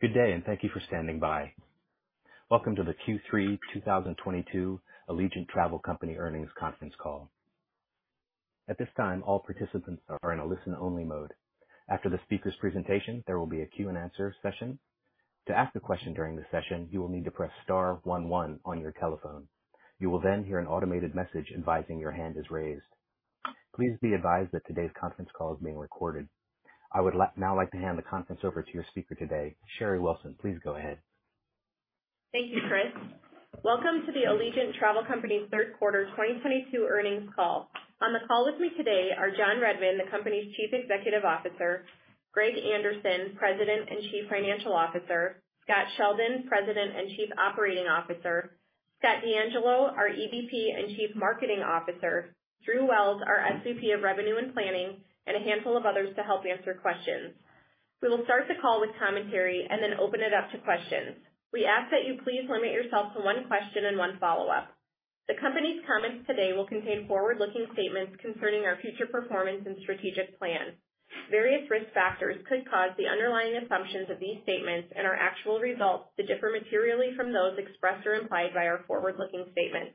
Good day, and thank you for standing by. Welcome to the Q3 2022 Allegiant Travel Company Earnings Conference Call. At this time, all participants are in a listen-only mode. After the speaker's presentation, there will be a Q&A session. To ask a question during the session, you will need to press star one one on your telephone. You will then hear an automated message advising your hand is raised. Please be advised that today's conference call is being recorded. I would now like to hand the conference over to your speaker today. Sherry Wilson, please go ahead. Thank you, Chris. Welcome to the Allegiant Travel Company third quarter 2022 earnings call. On the call with me today are John Redmond, the company's Chief Executive Officer, Greg Anderson, President and Chief Financial Officer, Scott Sheldon, President and Chief Operating Officer, Scott DeAngelo, our EVP and Chief Marketing Officer, Drew Wells, our SVP of Revenue and Planning, and a handful of others to help answer questions. We will start the call with commentary and then open it up to questions. We ask that you please limit yourself to one question and one follow-up. The company's comments today will contain forward-looking statements concerning our future performance and strategic plans. Various risk factors could cause the underlying assumptions of these statements and our actual results to differ materially from those expressed or implied by our forward-looking statements.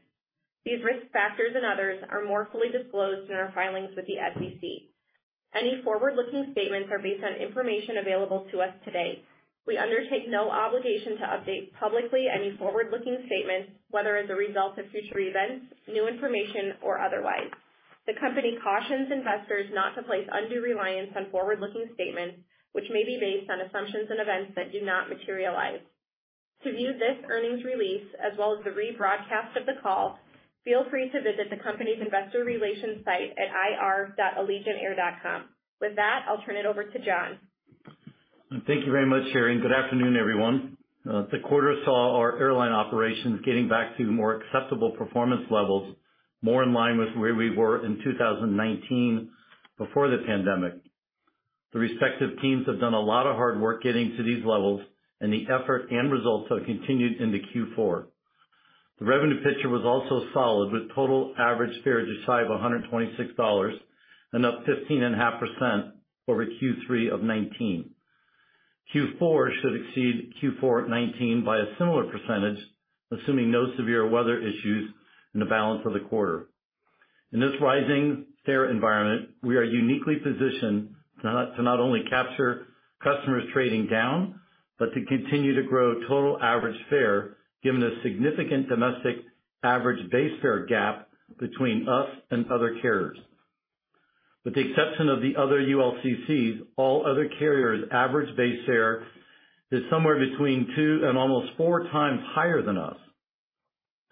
These risk factors and others are more fully disclosed in our filings with the SEC. Any forward-looking statements are based on information available to us today. We undertake no obligation to update publicly any forward-looking statements, whether as a result of future events, new information or otherwise. The company cautions investors not to place undue reliance on forward-looking statements which may be based on assumptions and events that do not materialize. To view this earnings release as well as the rebroadcast of the call, feel free to visit the company's investor relations site at ir.allegiantair.com. With that, I'll turn it over to John. Thank you very much, Sherry, and good afternoon, everyone. The quarter saw our airline operations getting back to more acceptable performance levels, more in line with where we were in 2019 before the pandemic. The respective teams have done a lot of hard work getting to these levels, and the effort and results have continued into Q4. The revenue picture was also solid with total average fare just shy of $126 and up 15.5% over Q3 of 2019. Q4 should exceed Q4 of 2019 by a similar percentage, assuming no severe weather issues in the balance of the quarter. In this rising fare environment, we are uniquely positioned to not only capture customers trading down, but to continue to grow total average fare, given the significant domestic average base fare gap between us and other carriers. With the exception of the other ULCCs, all other carriers' average base fare is somewhere between two and almost four times higher than us.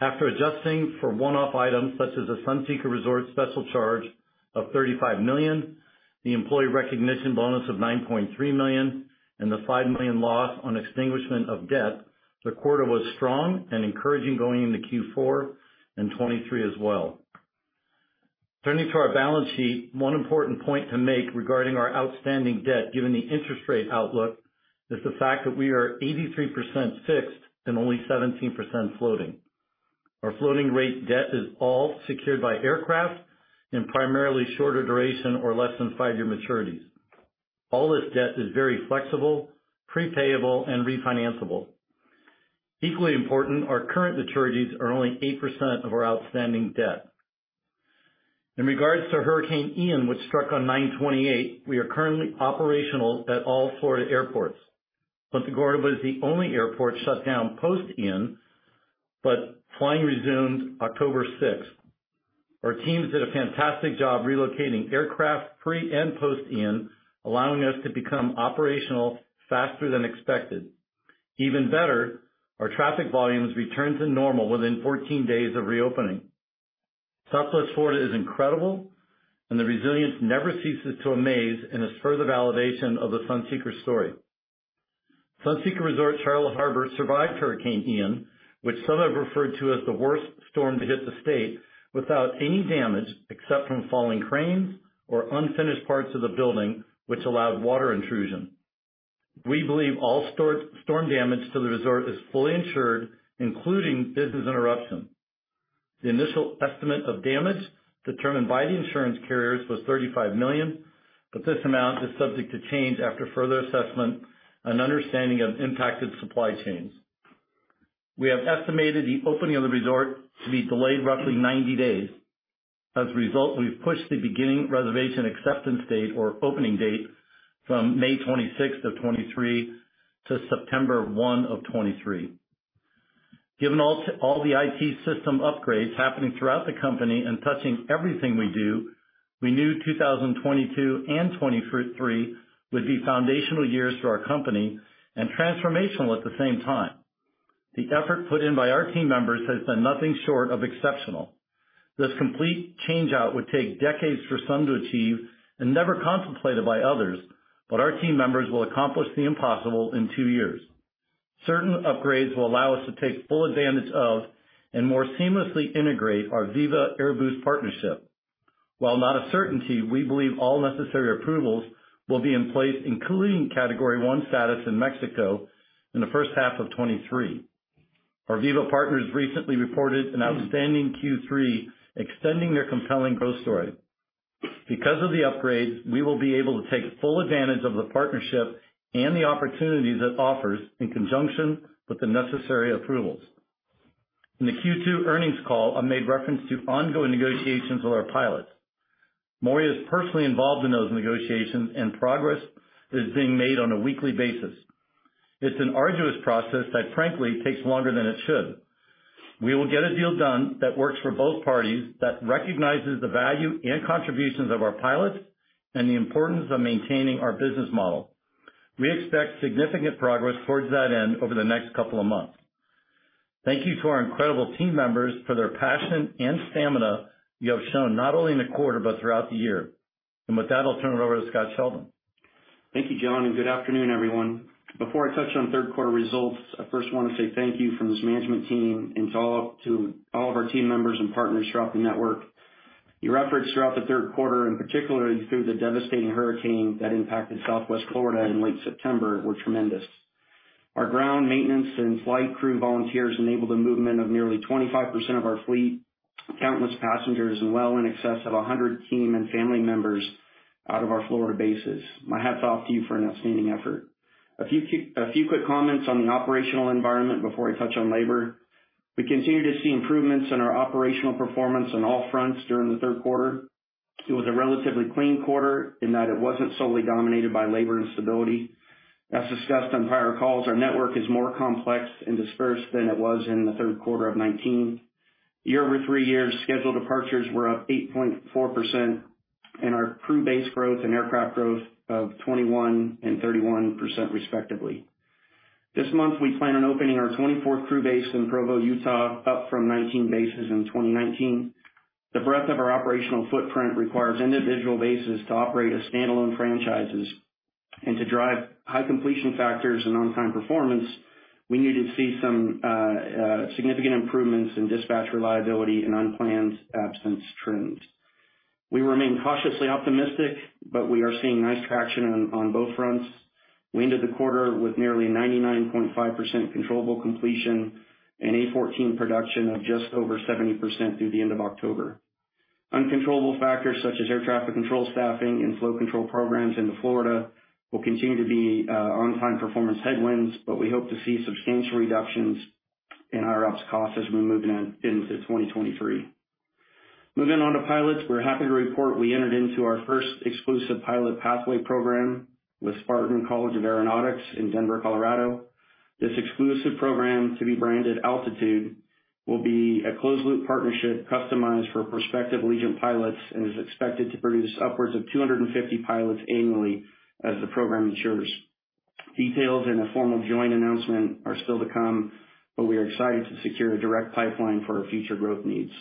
After adjusting for one-off items such as the Sunseeker Resort special charge of $35 million, the employee recognition bonus of $9.3 million, and the $5 million loss on extinguishment of debt, the quarter was strong and encouraging going into Q4 and 2023 as well. Turning to our balance sheet, one important point to make regarding our outstanding debt, given the interest rate outlook, is the fact that we are 83% fixed and only 17% floating. Our floating rate debt is all secured by aircraft in primarily shorter duration or less than five-year maturities. All this debt is very flexible, prepayable, and refinancable. Equally important, our current maturities are only 8% of our outstanding debt. In regards to Hurricane Ian, which struck on 9/28, we are currently operational at all Florida airports. Punta Gorda was the only airport shut down post-Ian, but flying resumed October 6. Our teams did a fantastic job relocating aircraft pre and post-Ian, allowing us to become operational faster than expected. Even better, our traffic volumes returned to normal within 14 days of reopening. Southwest Florida is incredible, and the resilience never ceases to amaze and is further validation of the Sunseeker story. Sunseeker Resort Charlotte Harbor survived Hurricane Ian, which some have referred to as the worst storm to hit the state, without any damage, except from falling cranes or unfinished parts of the building, which allowed water intrusion. We believe all storm damage to the resort is fully insured, including business interruption. The initial estimate of damage determined by the insurance carriers was $35 million, but this amount is subject to change after further assessment and understanding of impacted supply chains. We have estimated the opening of the resort to be delayed roughly 90 days. As a result, we've pushed the beginning reservation acceptance date or opening date from May 26, 2023 to September 1, 2023. Given all the IT system upgrades happening throughout the company and touching everything we do, we knew 2022 and 2023 would be foundational years for our company and transformational at the same time. The effort put in by our team members has been nothing short of exceptional. This complete change-out would take decades for some to achieve and never contemplated by others, but our team members will accomplish the impossible in two years. Certain upgrades will allow us to take full advantage of and more seamlessly integrate our Viva Aerobus partnership. While not a certainty, we believe all necessary approvals will be in place, including Category one status in Mexico in the first half of 2023. Our Viva partners recently reported an outstanding Q3, extending their compelling growth story. Because of the upgrades, we will be able to take full advantage of the partnership and the opportunities it offers in conjunction with the necessary approvals. In the Q2 earnings call, I made reference to ongoing negotiations with our pilots. Maury is personally involved in those negotiations and progress is being made on a weekly basis. It's an arduous process that, frankly, takes longer than it should. We will get a deal done that works for both parties, that recognizes the value and contributions of our pilots and the importance of maintaining our business model. We expect significant progress towards that end over the next couple of months. Thank you to our incredible team members for their passion and stamina you have shown not only in the quarter but throughout the year. With that, I'll turn it over to Scott Sheldon. Thank you, John, and good afternoon, everyone. Before I touch on third quarter results, I first wanna say thank you from this management team and to all of our team members and partners throughout the network. Your efforts throughout the third quarter, and particularly through the devastating hurricane that impacted Southwest Florida in late September, were tremendous. Our ground maintenance and flight crew volunteers enabled the movement of nearly 25% of our fleet, countless passengers, and well in excess of 100 team and family members out of our Florida bases. My hat's off to you for an outstanding effort. A few quick comments on the operational environment before I touch on labor. We continue to see improvements in our operational performance on all fronts during the third quarter. It was a relatively clean quarter in that it wasn't solely dominated by labor instability. As discussed on prior calls, our network is more complex and dispersed than it was in the third quarter of 2019. Over three years scheduled departures were up 8.4% and our crew base growth and aircraft growth of 21% and 31% respectively. This month, we plan on opening our 24th crew base in Provo, Utah, up from 19 bases in 2019. The breadth of our operational footprint requires individual bases to operate as standalone franchises and to drive high completion factors and on-time performance, we need to see some significant improvements in dispatch reliability and unplanned absence trends. We remain cautiously optimistic, but we are seeing nice traction on both fronts. We ended the quarter with nearly 99.5% controllable completion and A14 production of just over 70% through the end of October. Uncontrollable factors such as air traffic control staffing and flow control programs into Florida will continue to be on-time performance headwinds, but we hope to see substantial reductions in ops costs as we move into 2023. Moving on to pilots, we're happy to report we entered into our first exclusive pilot pathway program with Spartan College of Aeronautics in Denver, Colorado. This exclusive program, to be branded Altitude, will be a closed loop partnership customized for prospective Allegiant pilots and is expected to produce upwards of 250 pilots annually as the program matures. Details in a formal joint announcement are still to come, but we are excited to secure a direct pipeline for our future growth needs.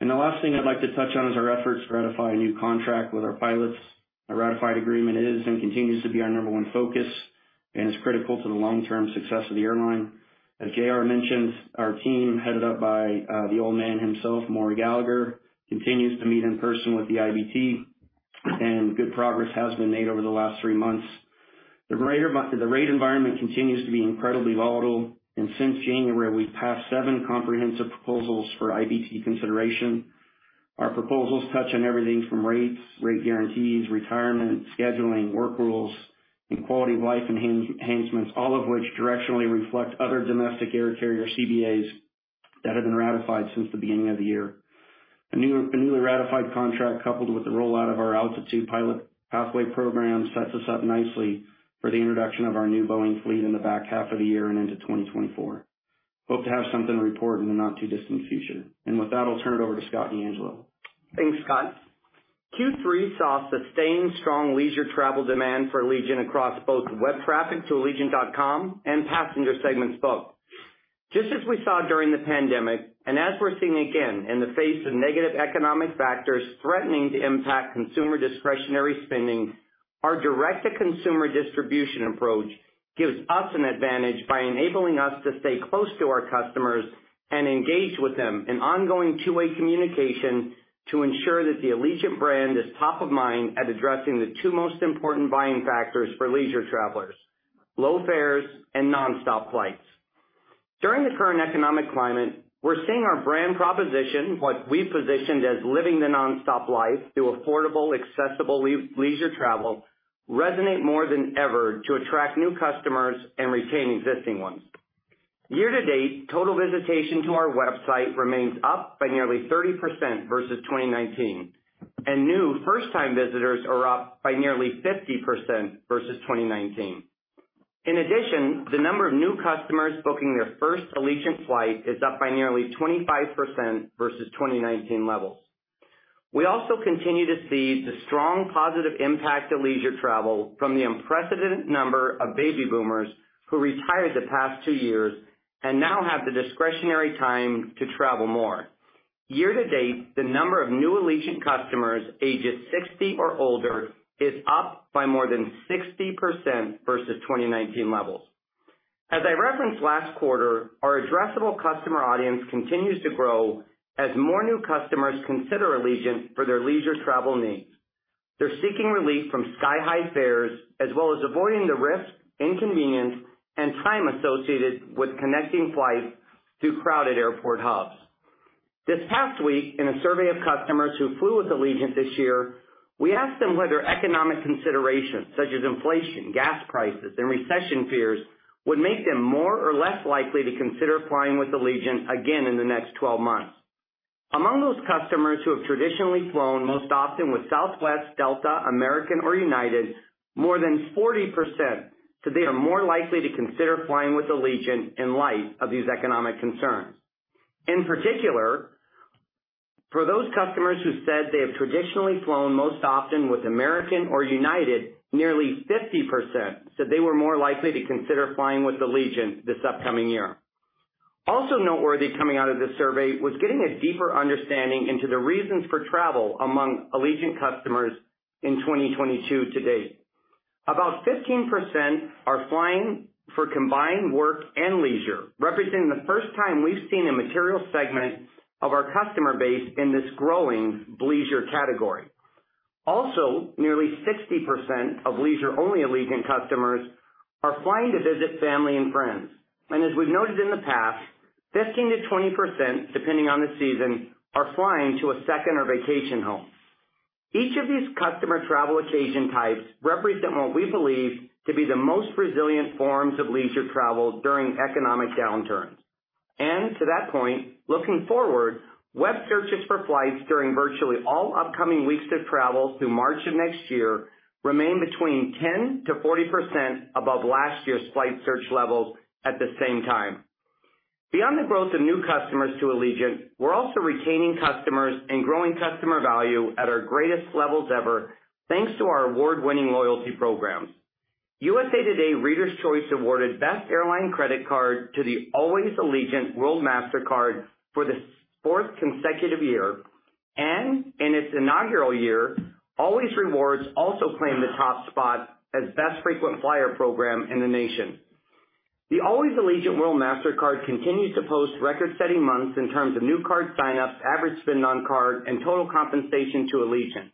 The last thing I'd like to touch on is our efforts to ratify a new contract with our pilots. A ratified agreement is and continues to be our number one focus and is critical to the long-term success of the airline. As JR mentioned, our team, headed up by the old man himself, Maury Gallagher, continues to meet in person with the IBT, and good progress has been made over the last three months. The rate environment continues to be incredibly volatile, and since January, we've passed seven comprehensive proposals for IBT consideration. Our proposals touch on everything from rates, rate guarantees, retirement, scheduling, work rules, and quality of life enhancements, all of which directionally reflect other domestic air carrier CBAs that have been ratified since the beginning of the year. A newly ratified contract coupled with the rollout of our Altitude Pilot Pathway program sets us up nicely for the introduction of our new Boeing fleet in the back half of the year and into 2024. Hope to have something to report in the not-too-distant future. With that, I'll turn it over to Scott DeAngelo. Thanks, Scott. Q3 saw sustained strong leisure travel demand for Allegiant across both web traffic to allegiant.com and passenger segments both. Just as we saw during the pandemic and as we're seeing again in the face of negative economic factors threatening to impact consumer discretionary spending, our direct-to-consumer distribution approach gives us an advantage by enabling us to stay close to our customers and engage with them in ongoing two-way communication to ensure that the Allegiant brand is top of mind at addressing the two most important buying factors for leisure travelers, low fares and nonstop flights. During the current economic climate, we're seeing our brand proposition, what we positioned as living the nonstop life through affordable, accessible leisure travel, resonate more than ever to attract new customers and retain existing ones. Year to date, total visitation to our website remains up by nearly 30% versus 2019, and new first-time visitors are up by nearly 50% versus 2019. In addition, the number of new customers booking their first Allegiant flight is up by nearly 25% versus 2019 levels. We also continue to see the strong positive impact of leisure travel from the unprecedented number of baby boomers who retired the past two years and now have the discretionary time to travel more. Year to date, the number of new Allegiant customers ages 60 or older is up by more than 60% versus 2019 levels. As I referenced last quarter, our addressable customer audience continues to grow as more new customers consider Allegiant for their leisure travel needs. They're seeking relief from sky-high fares, as well as avoiding the risk, inconvenience, and time associated with connecting flights through crowded airport hubs. This past week, in a survey of customers who flew with Allegiant this year, we asked them whether economic considerations, such as inflation, gas prices, and recession fears would make them more or less likely to consider flying with Allegiant again in the next 12 months. Among those customers who have traditionally flown most often with Southwest, Delta, American, or United, more than 40% said they are more likely to consider flying with Allegiant in light of these economic concerns. In particular, for those customers who said they have traditionally flown most often with American or United, nearly 50% said they were more likely to consider flying with Allegiant this upcoming year. Also noteworthy coming out of this survey was getting a deeper understanding into the reasons for travel among Allegiant customers in 2022 to date. About 15% are flying for combined work and leisure, representing the first time we've seen a material segment of our customer base in this growing bleisure category. Also, nearly 60% of leisure-only Allegiant customers are flying to visit family and friends. And as we've noted in the past, 15%-20%, depending on the season, are flying to a second or vacation home. Each of these customer travel occasion types represent what we believe to be the most resilient forms of leisure travel during economic downturns. To that point, looking forward, web searches for flights during virtually all upcoming weeks of travel through March of next year remain between 10%-40% above last year's flight search levels at the same time. Beyond the growth of new customers to Allegiant, we're also retaining customers and growing customer value at our greatest levels ever thanks to our award-winning loyalty programs. USA Today Reader's Choice awarded Best Airline Credit Card to the Allways Allegiant World Mastercard for the fourth consecutive year. In its inaugural year, Allways Rewards also claimed the top spot as Best Frequent Flyer Program in the nation. The Allways Allegiant World Mastercard continues to post record-setting months in terms of new card sign-ups, average spend on card, and total compensation to Allegiant.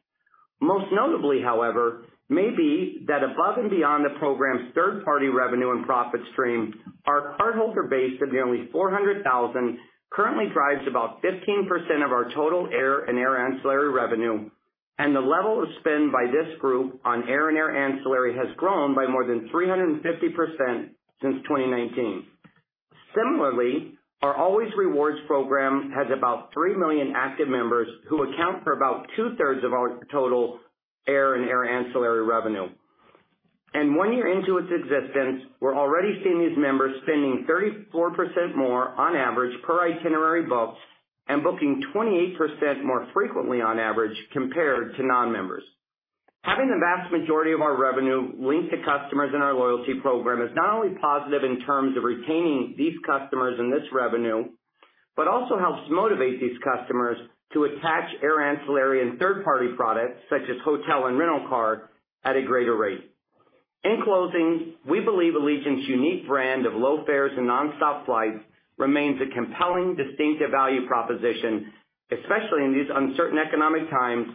Most notably, however, may be that above and beyond the program's third-party revenue and profit stream, our cardholder base of nearly 400,000 currently drives about 15% of our total air and air ancillary revenue, and the level of spend by this group on air and air ancillary has grown by more than 350% since 2019. Similarly, our Allways Rewards program has about three million active members who account for about 2/3 of our total air and air ancillary revenue. One year into its existence, we're already seeing these members spending 34% more on average per itinerary booked and booking 28% more frequently on average compared to non-members. Having the vast majority of our revenue linked to customers in our loyalty program is not only positive in terms of retaining these customers and this revenue, but also helps motivate these customers to attach air ancillary and third-party products, such as hotel and rental car, at a greater rate. In closing, we believe Allegiant's unique brand of low fares and nonstop flights remains a compelling, distinctive value proposition, especially in these uncertain economic times,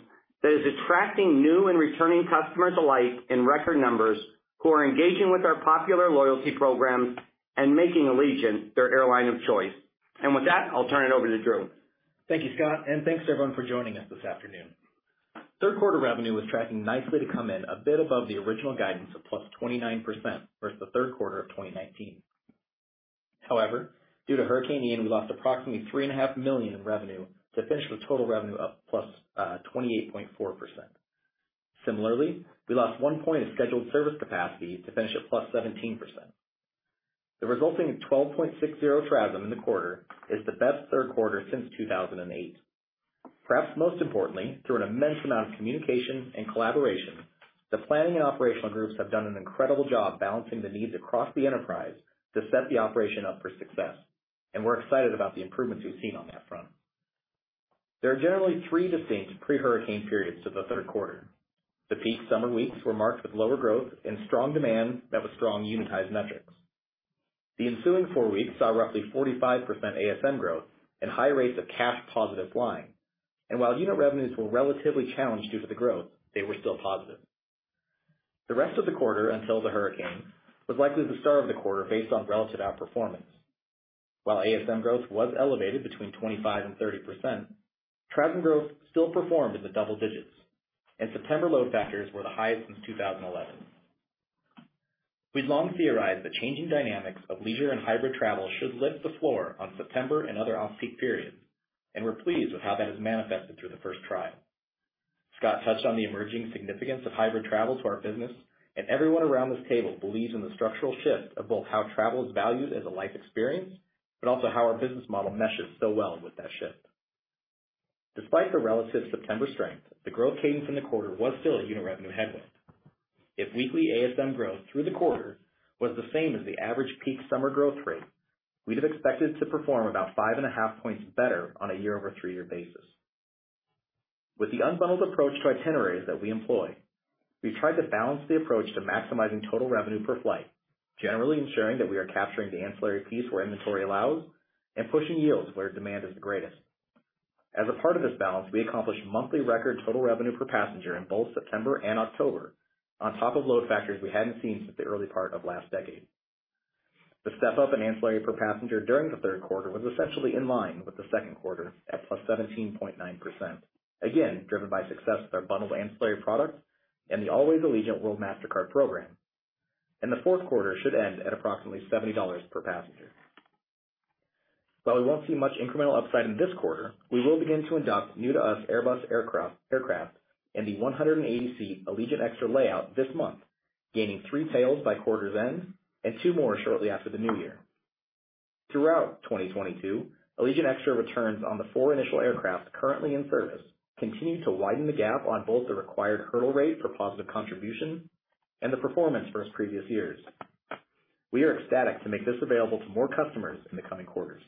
that is attracting new and returning customers alike in record numbers who are engaging with our popular loyalty programs and making Allegiant their airline of choice. With that, I'll turn it over to Drew. Thank you, Scott, and thanks to everyone for joining us this afternoon. Third quarter revenue was tracking nicely to come in a bit above the original guidance of +29% versus the third quarter of 2019. However, due to Hurricane Ian, we lost approximately $3.5 million in revenue to finish with total revenue up +28.4%. Similarly, we lost one point of scheduled service capacity to finish at +17%. The resulting 12.60 TRASM in the quarter is the best third quarter since 2008. Perhaps most importantly, through an immense amount of communication and collaboration, the planning and operational groups have done an incredible job balancing the needs across the enterprise to set the operation up for success, and we're excited about the improvements we've seen on that front. There are generally three distinct pre-hurricane periods to the third quarter. The peak summer weeks were marked with lower growth and strong demand that was strong unitized metrics. The ensuing four weeks saw roughly 45% ASM growth and high rates of cash positive flying. While unit revenues were relatively challenged due to the growth, they were still positive. The rest of the quarter until the hurricane was likely the star of the quarter based on relative outperformance. While ASM growth was elevated between 25%-30%, TRASM growth still performed in the double digits, and September load factors were the highest since 2011. We've long theorized the changing dynamics of leisure and hybrid travel should lift the floor on September and other off-peak periods, and we're pleased with how that has manifested through the first try. Scott touched on the emerging significance of hybrid travel to our business, and everyone around this table believes in the structural shift of both how travel is valued as a life experience, but also how our business model meshes so well with that shift. Despite the relative September strength, the growth cadence in the quarter was still a unit revenue headwind. If weekly ASM growth through the quarter was the same as the average peak summer growth rate, we'd have expected to perform about 5.5 points better on a year-over-year basis. With the unbundled approach to itineraries that we employ, we tried to balance the approach to maximizing total revenue per flight, generally ensuring that we are capturing the ancillary piece where inventory allows and pushing yields where demand is the greatest. As a part of this balance, we accomplished monthly record total revenue per passenger in both September and October on top of load factors we hadn't seen since the early part of last decade. The step-up in ancillary per passenger during the third quarter was essentially in line with the second quarter at +17.9%. Again, driven by success with our bundled ancillary products and the Allways Allegiant World Mastercard program. The fourth quarter should end at approximately $70 per passenger. While we won't see much incremental upside in this quarter, we will begin to induct new-to-us Airbus aircraft in the 180-seat Allegiant Extra layout this month, gaining three tails by quarter's end and two more shortly after the new year. Throughout 2022, Allegiant Extra returns on the four initial aircraft currently in service, continuing to widen the gap on both the required hurdle rate for positive contribution and the performance versus previous years. We are ecstatic to make this available to more customers in the coming quarters.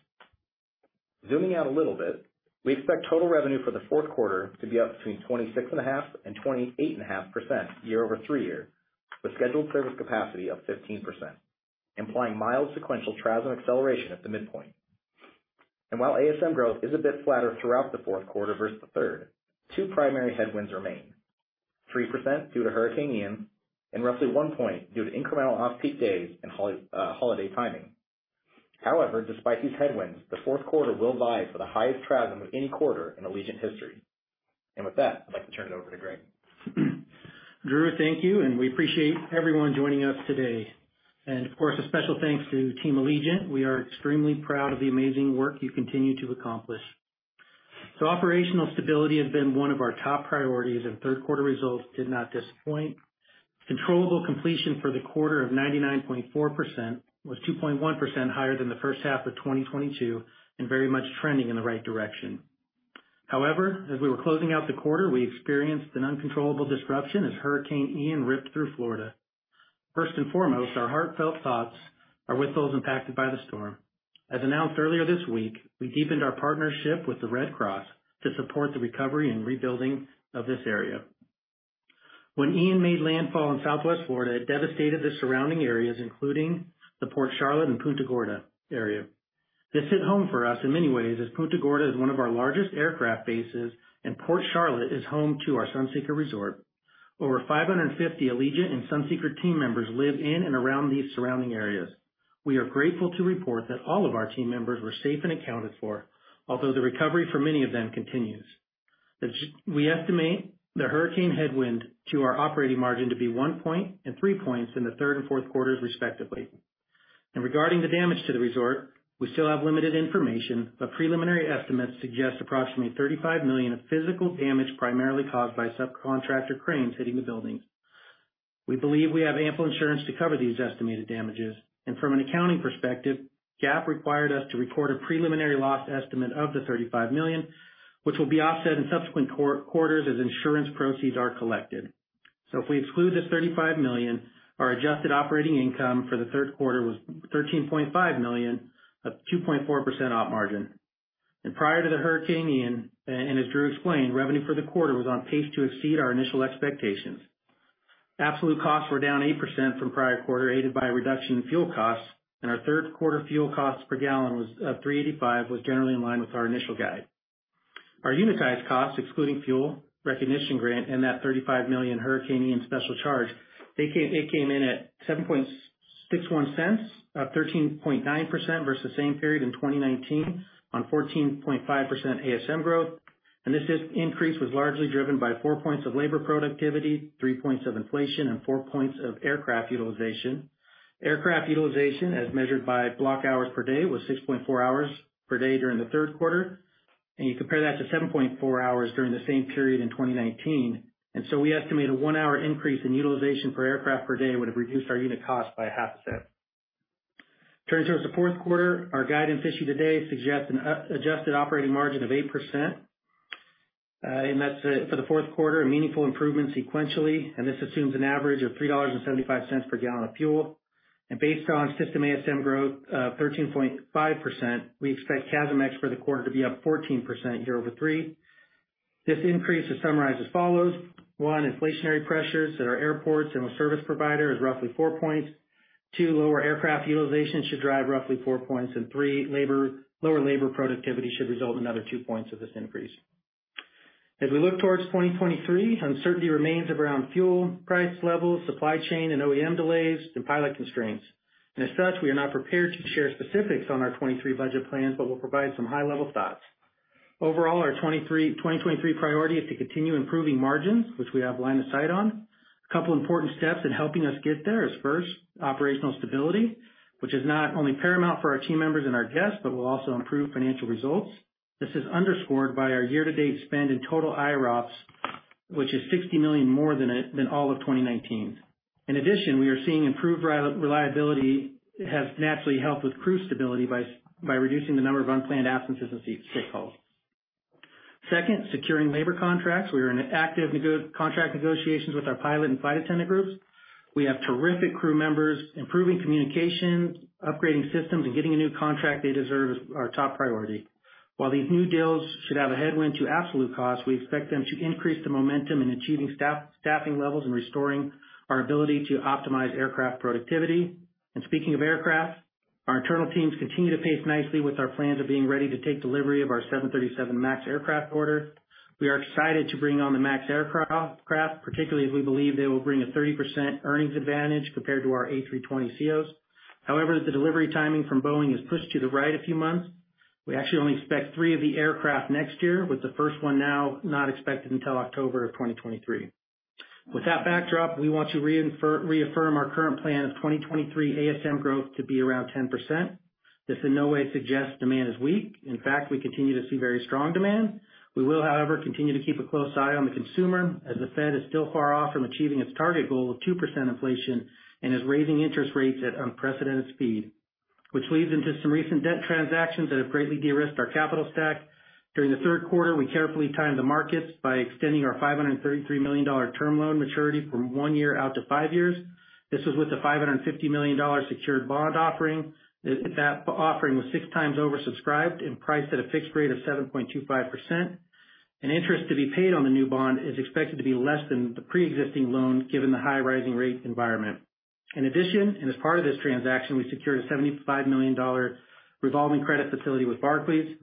Zooming out a little bit, we expect total revenue for the fourth quarter to be up between 26.5% and 28.5% year-over-year, with scheduled service capacity up 15%, implying mild sequential TRASM acceleration at the midpoint. While ASM growth is a bit flatter throughout the fourth quarter versus the third, two primary headwinds remain. 3% due to Hurricane Ian and roughly one point due to incremental off-peak days and holiday timing. However, despite these headwinds, the fourth quarter will vie for the highest TRASM of any quarter in Allegiant history. With that, I'd like to turn it over to Greg. Drew, thank you, and we appreciate everyone joining us today. Of course, a special thanks to Team Allegiant. We are extremely proud of the amazing work you continue to accomplish. Operational stability has been one of our top priorities, and third quarter results did not disappoint. Controllable completion for the quarter of 99.4% was 2.1 higher than the first half of 2022 and very much trending in the right direction. However, as we were closing out the quarter, we experienced an uncontrollable disruption as Hurricane Ian ripped through Florida. First and foremost, our heartfelt thoughts are with those impacted by the storm. As announced earlier this week, we deepened our partnership with the Red Cross to support the recovery and rebuilding of this area. When Ian made landfall in Southwest Florida, it devastated the surrounding areas, including the Port Charlotte and Punta Gorda area. This hit home for us in many ways as Punta Gorda is one of our largest aircraft bases, and Port Charlotte is home to our Sunseeker Resort. Over 550 Allegiant and Sunseeker team members live in and around these surrounding areas. We are grateful to report that all of our team members were safe and accounted for, although the recovery for many of them continues. We estimate the hurricane headwind to our operating margin to be 1% and 3% in the third and fourth quarters, respectively. Regarding the damage to the resort, we still have limited information, but preliminary estimates suggest approximately $35 million of physical damage primarily caused by subcontractor cranes hitting the buildings. We believe we have ample insurance to cover these estimated damages, and from an accounting perspective, GAAP required us to report a preliminary loss estimate of the $35 million, which will be offset in subsequent quarters as insurance proceeds are collected. If we exclude the $35 million, our adjusted operating income for the third quarter was $13.5 million at 2.4% op margin. Prior to the Hurricane Ian, as Drew explained, revenue for the quarter was on pace to exceed our initial expectations. Absolute costs were down 8% from prior quarter, aided by a reduction in fuel costs, and our third quarter fuel cost per gallon was $3.85, was generally in line with our initial guide. Our unitized cost, excluding fuel, CARES grant and that $35 million Hurricane Ian special charge, it came in at $0.0761, 13.9% versus same period in 2019 on 14.5% ASM growth. Increase was largely driven by four points of labor productivity, three points of inflation, and four points of aircraft utilization. Aircraft utilization, as measured by block hours per day, was 6.4 hours per day during the third quarter, and you compare that to 7.4 hours during the same period in 2019. We estimate a one-hour increase in utilization for aircraft per day would have reduced our unit cost by a half cent. Turning towards the fourth quarter, our guidance issued today suggests an adjusted operating margin of 8%, and that's for the fourth quarter, a meaningful improvement sequentially, and this assumes an average of $3.75 per gallon of fuel. Based on system ASM growth, 13.5%, we expect CASM-ex for the quarter to be up 14% year-over-year. This increase is summarized as follows. One, inflationary pressures at our airports and with service providers is roughly four points. Two, lower aircraft utilization should drive roughly four points, and three, lower labor productivity should result in another two points of this increase. As we look towards 2023, uncertainty remains around fuel price levels, supply chain and OEM delays, and pilot constraints. As such, we are not prepared to share specifics on our 2023 budget plans, but we'll provide some high-level thoughts. Overall, our 2023 priority is to continue improving margins, which we have line of sight on. A couple important steps in helping us get there is, first, operational stability, which is not only paramount for our team members and our guests, but will also improve financial results. This is underscored by our year-to-date spend in total IROPS, which is $60 million more than all of 2019. In addition, we are seeing improved reliability has naturally helped with crew stability by reducing the number of unplanned absences and sick calls. Second, securing labor contracts. We are in active contract negotiations with our pilot and flight attendant groups. We have terrific crew members, improving communication, upgrading systems, and getting a new contract they deserve is our top priority. While these new deals should have a headwind to absolute cost, we expect them to increase the momentum in achieving staffing levels and restoring our ability to optimize aircraft productivity. Speaking of aircraft, our internal teams continue to pace nicely with our plans of being ready to take delivery of our 737 MAX aircraft order. We are excited to bring on the MAX aircraft, particularly as we believe they will bring a 30% earnings advantage compared to our A320ceos. However, the delivery timing from Boeing is pushed to the right a few months. We actually only expect three of the aircraft next year, with the first one now not expected until October of 2023. With that backdrop, we want to reaffirm our current plan of 2023 ASM growth to be around 10%. This in no way suggests demand is weak. In fact, we continue to see very strong demand. We will, however, continue to keep a close eye on the consumer as the Fed is still far off from achieving its target goal of 2% inflation and is raising interest rates at unprecedented speed, which leads into some recent debt transactions that have greatly de-risked our capital stack. During the third quarter, we carefully timed the markets by extending our $533 million term loan maturity from one year out to five years. This was with the $550 million secured bond offering. That offering was 6x oversubscribed and priced at a fixed rate of 7.25%. Interest to be paid on the new bond is expected to be less than the preexisting loan given the high rising rate environment. In addition, and as part of this transaction, we secured a $75 million revolving credit facility with Barclays.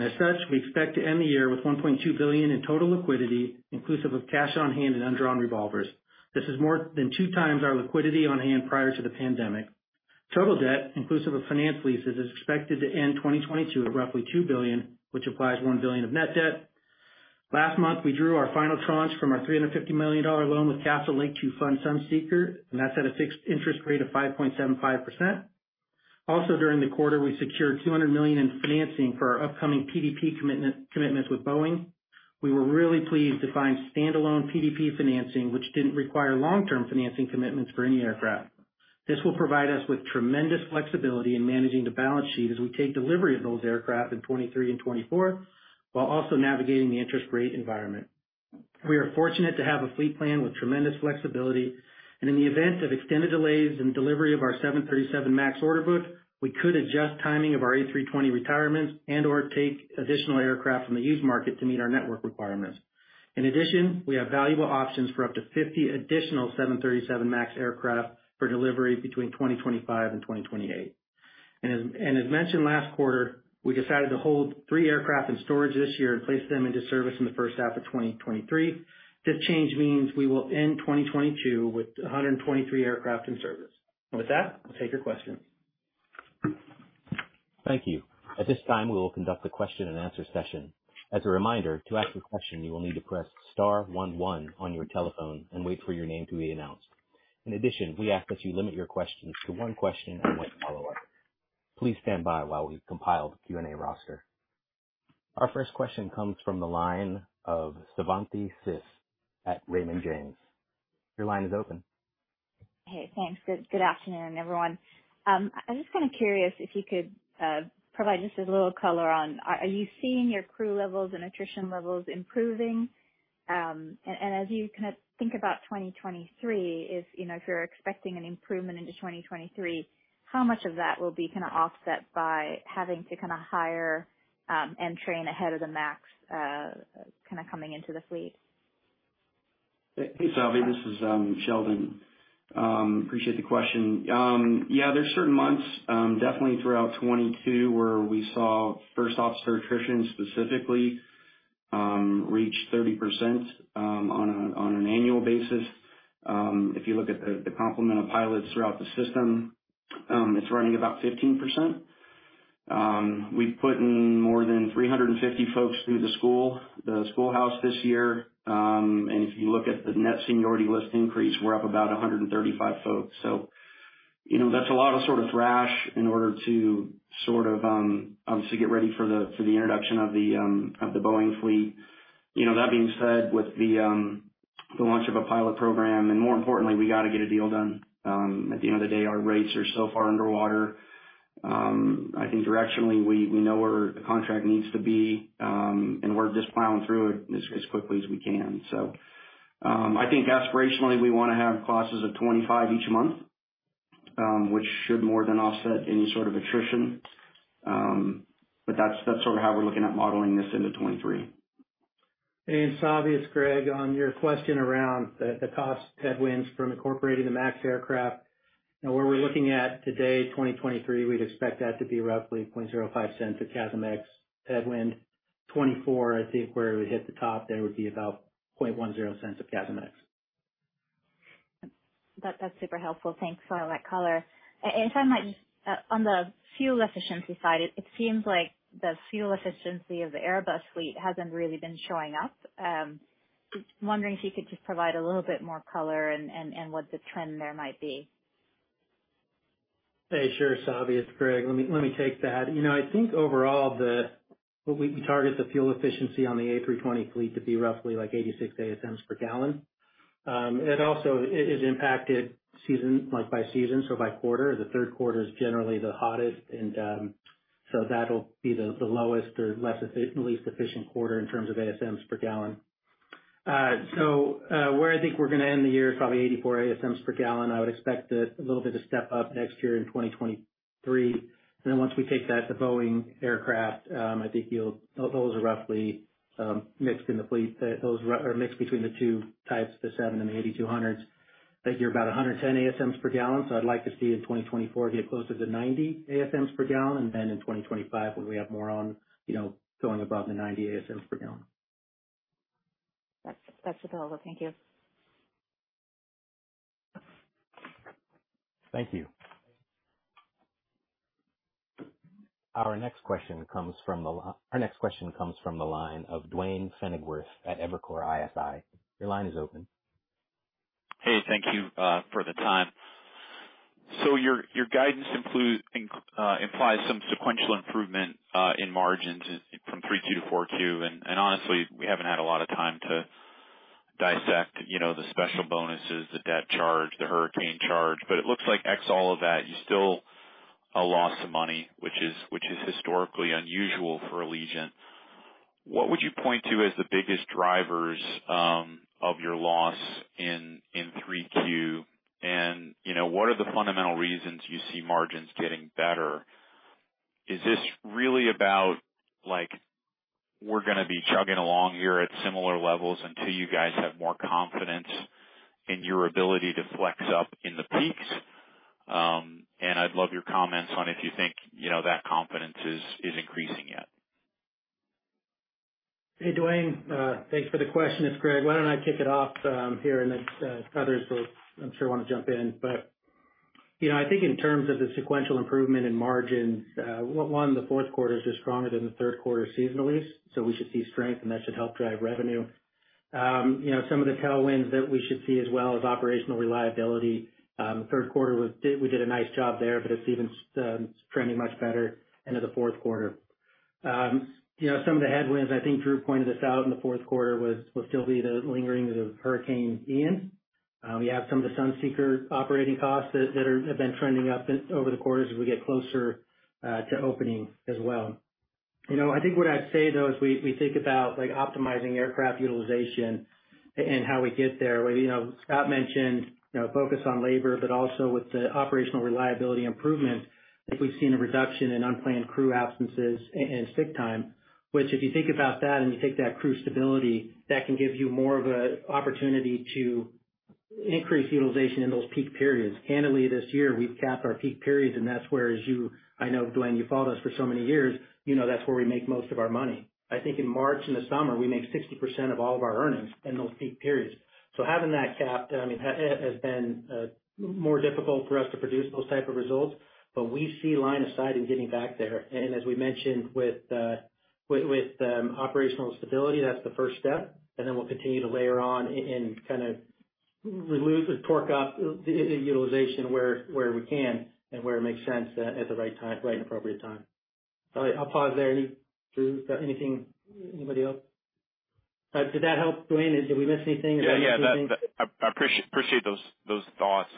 As such, we expect to end the year with $1.2 billion in total liquidity, inclusive of cash on hand and undrawn revolvers. This is more than two times our liquidity on hand prior to the pandemic. Total debt, inclusive of finance leases, is expected to end 2022 at roughly $2 billion, which applies $1 billion of net debt. Last month, we drew our final tranche from our $350 million loan with Castlelake to fund Sunseeker, and that's at a fixed interest rate of 5.75%. Also, during the quarter, we secured $200 million in financing for our upcoming PDP commitments with Boeing. We were really pleased to find standalone PDP financing, which didn't require long-term financing commitments for any aircraft. This will provide us with tremendous flexibility in managing the balance sheet as we take delivery of those aircraft in 2023 and 2024, while also navigating the interest rate environment. We are fortunate to have a fleet plan with tremendous flexibility, and in the event of extended delays in delivery of our 737 MAX order book, we could adjust timing of our A320 retirements and/or take additional aircraft from the used market to meet our network requirements. In addition, we have valuable options for up to 50 additional 737 MAX aircraft for delivery between 2025 and 2028. As mentioned last quarter, we decided to hold three aircraft in storage this year and place them into service in the first half of 2023. This change means we will end 2022 with 123 aircraft in service. With that, we'll take your questions. Thank you. At this time, we will conduct a question-and-answer session. As a reminder, to ask a question, you will need to press star one one on your telephone and wait for your name to be announced. In addition, we ask that you limit your questions to one question and one follow-up. Please stand by while we compile the Q&A roster. Our first question comes from the line of Savanthi Syth at Raymond James. Your line is open. Hey, thanks. Good afternoon, everyone. I'm just kinda curious if you could provide just a little color on, are you seeing your crew levels and attrition levels improving? As you kind of think about 2023, if you're expecting an improvement into 2023, how much of that will be kinda offset by having to kinda hire and train ahead of the MAX kinda coming into the fleet? Hey, Savanthi. This is Sheldon. Appreciate the question. Yeah, there's certain months definitely throughout 2022, where we saw first officer attrition specifically reach 30% on an annual basis. If you look at the complement of pilots throughout the system, it's running about 15%. We've put in more than 350 folks through the schoolhouse this year. If you look at the net seniority list increase, we're up about 135 folks. You know, that's a lot of sort of thrash in order to sort of obviously get ready for the introduction of the Boeing fleet. You know, that being said, with the launch of a pilot program, and more importantly, we gotta get a deal done. At the end of the day, our rates are so far underwater. I think directionally we know where the contract needs to be, and we're just plowing through it as quickly as we can. I think aspirationally we wanna have classes of 25 each month, which should more than offset any sort of attrition. But that's sort of how we're looking at modeling this into 2023. Savanthi, it's Greg, on your question around the cost headwinds from incorporating the MAX aircraft, you know, where we're looking at today, 2023, we'd expect that to be roughly $0.05 CASM-ex headwind. 2024, I think where it would hit the top there would be about $0.10 CASM-ex. That's super helpful. Thanks for all that color. If I might just on the fuel efficiency side, it seems like the fuel efficiency of the Airbus fleet hasn't really been showing up. Just wondering if you could just provide a little bit more color and what the trend there might be? Hey, sure, Savanthi, it's Greg. Let me take that. You know, I think overall, what we target the fuel efficiency on the A320 fleet to be roughly like 86 ASMs per gallon. It also is impacted seasonally, like by season, so by quarter. The third quarter is generally the hottest and, so that'll be the lowest or less efficient, least efficient quarter in terms of ASMs per gallon. So, where I think we're gonna end the year is probably 84 ASMs per gallon. I would expect it a little bit of step up next year in 2023. Then once we take that to Boeing aircraft, I think you'll. Those are roughly mixed in the fleet. Those are mixed between the two types, the seven and the 8200s. I think you're about 110 ASMs per gallon, so I'd like to see in 2024 get closer to 90 ASMs per gallon, and then in 2025 when we have more on, you know, going above the 90 ASMs per gallon. That's the follow-up. Thank you. Thank you. Our next question comes from the line of Duane Pfennigwerth at Evercore ISI. Your line is open. Hey, thank you for the time. Your guidance implies some sequential improvement in margins from 3Q-4Q. Honestly, we haven't had a lot of time to dissect, you know, the special bonuses, the debt charge, the hurricane charge. It looks like ex all of that, you still a loss of money, which is historically unusual for Allegiant. What would you point to as the biggest drivers of your loss in 3Q? What are the fundamental reasons you see margins getting better? Is this really about, like, we're gonna be chugging along here at similar levels until you guys have more confidence in your ability to flex up in the peaks? I'd love your comments on if you think, you know, that confidence is increasing yet? Hey, Duane. Thanks for the question. It's Greg. Why don't I kick it off, here, and then, others will, I'm sure, wanna jump in. You know, I think in terms of the sequential improvement in margins, one, the fourth quarter is just stronger than the third quarter seasonally, so we should see strength, and that should help drive revenue. You know, some of the tailwinds that we should see as well is operational reliability. Third quarter, we did a nice job there, but it's even stronger, trending much better into the fourth quarter. You know, some of the headwinds, I think Drew pointed this out in the fourth quarter, was, will still be the lingering of Hurricane Ian. We have some of the Sunseeker operating costs that have been trending up over the quarters as we get closer to opening as well. You know, I think what I'd say, though, is we think about, like, optimizing aircraft utilization and how we get there. You know, Scott mentioned, you know, a focus on labor, but also with the operational reliability improvement, I think we've seen a reduction in unplanned crew absences and sick time, which if you think about that and you take that crew stability, that can give you more of an opportunity to increase utilization in those peak periods. Early this year, we've capped our peak periods, and that's where. I know, Duane, you've followed us for so many years. You know that's where we make most of our money. I think in March and the summer, we make 60% of all of our earnings in those peak periods. Having that capped, I mean, has been more difficult for us to produce those type of results, but we see line of sight in getting back there. As we mentioned with operational stability, that's the first step, and then we'll continue to layer on and kind of remove and torque up utilization where we can and where it makes sense at the right time, right and appropriate time. I'll pause there. Drew, is there anything? Anybody else? Did that help, Duane? Did we miss anything? Is there anything? Yeah. Yeah. I appreciate those thoughts.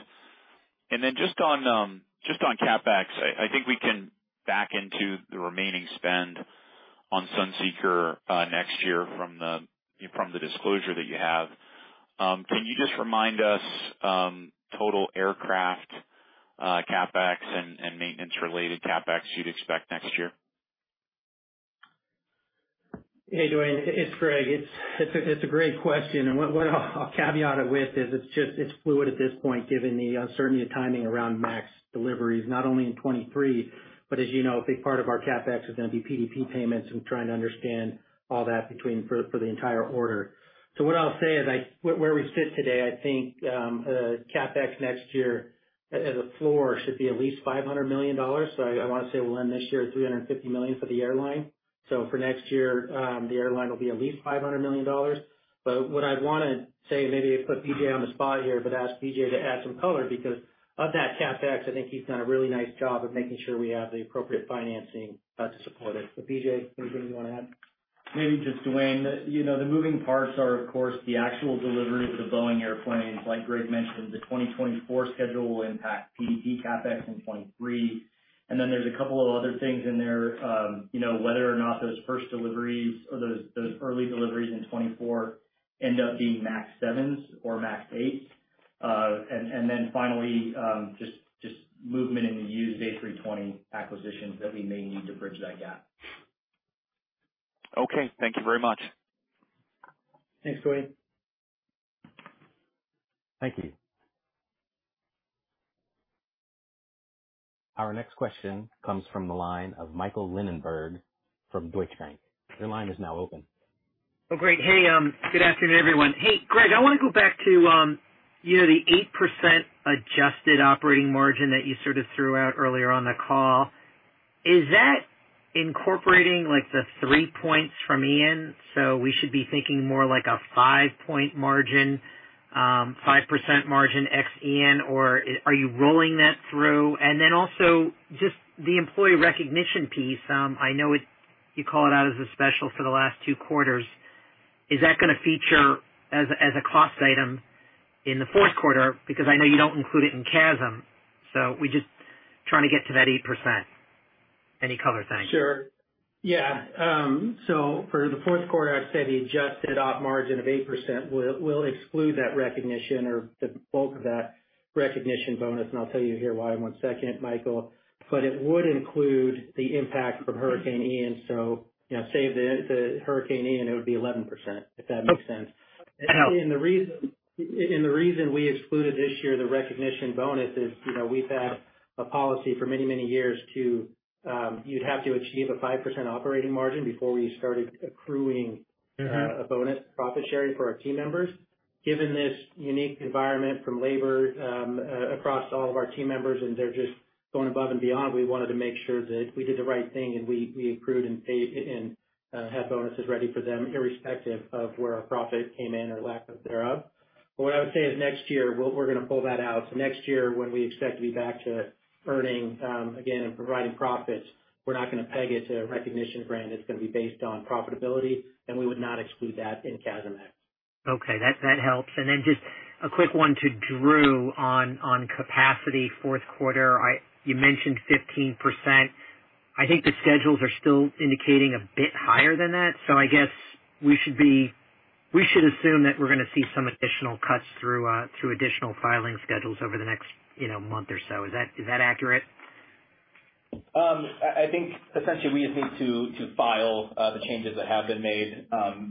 Just on CapEx, I think we can back into the remaining spend on Sunseeker next year from the disclosure that you have. Can you just remind us total aircraft CapEx and maintenance-related CapEx you'd expect next year? Hey, Duane. It's Greg. It's a great question. What I'll caveat it with is it's just fluid at this point, given the uncertainty of timing around MAX deliveries, not only in 2023, but as you know, a big part of our CapEx is gonna be PDP payments and trying to understand all that for the entire order. What I'll say is where we sit today, I think CapEx next year as a floor should be at least $500 million. I wanna say we'll end this year at $350 million for the airline. For next year, the airline will be at least $500 million. What I'd wanna say, maybe put BJ on the spot here, but ask BJ to add some color because of that CapEx. I think he's done a really nice job of making sure we have the appropriate financing to support it. BJ, anything you wanna add? Maybe just, Duane, you know, the moving parts are, of course, the actual delivery of the Boeing airplanes. Like Greg mentioned, the 2024 schedule will impact PDP CapEx in 2023. Then there's a couple of other things in there, you know, whether or not those first deliveries or those early deliveries in 2024 end up being MAX 7s or MAX 8s. And then finally, just movement in the used A320 acquisitions that we may need to bridge that gap. Okay. Thank you very much. Thanks, Duane. Thank you. Our next question comes from the line of Michael Linenberg from Deutsche Bank. Your line is now open. Oh, great. Hey, good afternoon, everyone. Hey, Greg, I wanna go back to, you know, the 8% adjusted operating margin that you sort of threw out earlier on the call. Is that incorporating, like, the three points from Ian? So we should be thinking more like a five-point margin, 5% margin ex Ian, or are you rolling that through? And then also just the employee recognition piece. I know you call it out as a special for the last two quarters. Is that gonna feature as a cost item in the fourth quarter? Because I know you don't include it in CASM, so we're just trying to get to that 8%. Any color? Thanks. Sure. Yeah. For the fourth quarter, I'd say the adjusted op margin of 8% will exclude that recognition or the bulk of that recognition bonus, and I'll tell you here why in one second, Michael, but it would include the impact from Hurricane Ian. You know, save the Hurricane Ian, it would be 11%, if that makes sense. Okay. The reason we excluded this year the recognition bonus is, you know, we've had a policy for many, many years to, you'd have to achieve a 5% operating margin before we started accruing. Mm-hmm A bonus profit sharing for our team members. Given this unique environment from labor across all of our team members, and they're just going above and beyond, we wanted to make sure that we did the right thing and we accrued and paid and had bonuses ready for them, irrespective of where our profit came in or lack thereof. What I would say is next year we're gonna pull that out. Next year, when we expect to be back to earning again and providing profits, we're not gonna peg it to a recognition grant. It's gonna be based on profitability, and we would not exclude that in CASM-ex. Okay. That helps. Just a quick one to Drew on capacity fourth quarter. You mentioned 15%. I think the schedules are still indicating a bit higher than that, so I guess we should assume that we're gonna see some additional cuts through additional filing schedules over the next month or so. Is that accurate? I think essentially we just need to file the changes that have been made.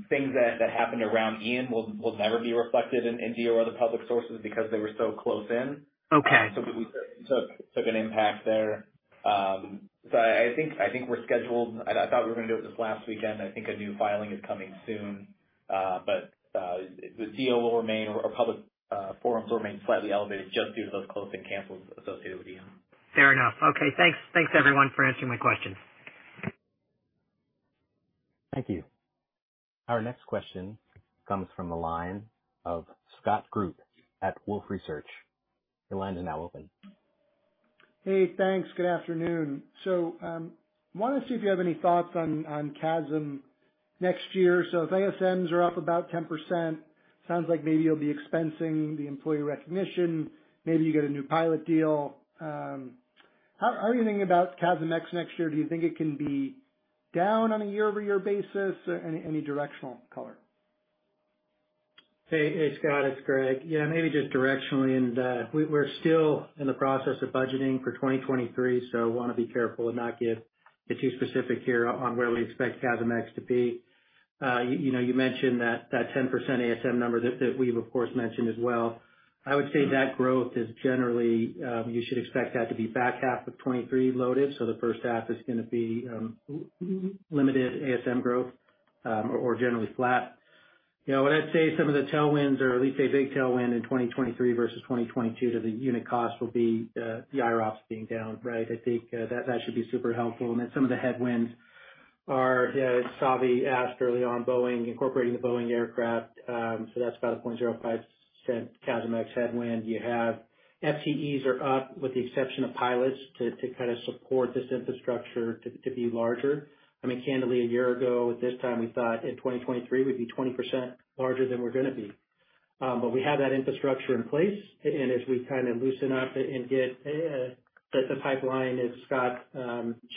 Things that happened around Ian will never be reflected in Diio or other public sources because they were so close in. Okay. We took an impact there. I think we're scheduled. I thought we were gonna do it this last weekend. I think a new filing is coming soon. The deal will remain. Our public forums will remain slightly elevated just due to those close-in cancels associated with Hurricane Ian. Fair enough. Okay. Thanks. Thanks, everyone for answering my questions. Thank you. Our next question comes from the line of Scott Group at Wolfe Research. Your line is now open. Hey, thanks. Good afternoon. Wanted to see if you have any thoughts on CASM next year. If ASMs are up about 10%, sounds like maybe you'll be expensing the employee recognition, maybe you get a new pilot deal. How are you thinking about CASM next year? Do you think it can be down on a year-over-year basis? Any directional color? Hey. Hey, Scott, it's Greg. Yeah, maybe just directionally in that we're still in the process of budgeting for 2023, so wanna be careful and not get too specific here on where we expect CASM-ex to be. You know, you mentioned that 10% ASM number that we've of course mentioned as well. I would say that growth is generally, you should expect that to be back half of 2023 loaded. So the first half is gonna be, limited ASM growth, or generally flat. You know, what I'd say some of the tailwinds or at least a big tailwind in 2023 versus 2022 to the unit cost will be, the IROPS being down, right? I think, that should be super helpful. Some of the headwinds are, Savvy asked early on Boeing incorporating the Boeing aircraft. So that's about 0.05 cent CASM-ex headwind. You have FTEs are up with the exception of pilots to kind of support this infrastructure to be larger. I mean, candidly, a year ago, at this time, we thought in 2023 we'd be 20% larger than we're gonna be. But we have that infrastructure in place. And as we kind of loosen up and get set the pipeline, as Scott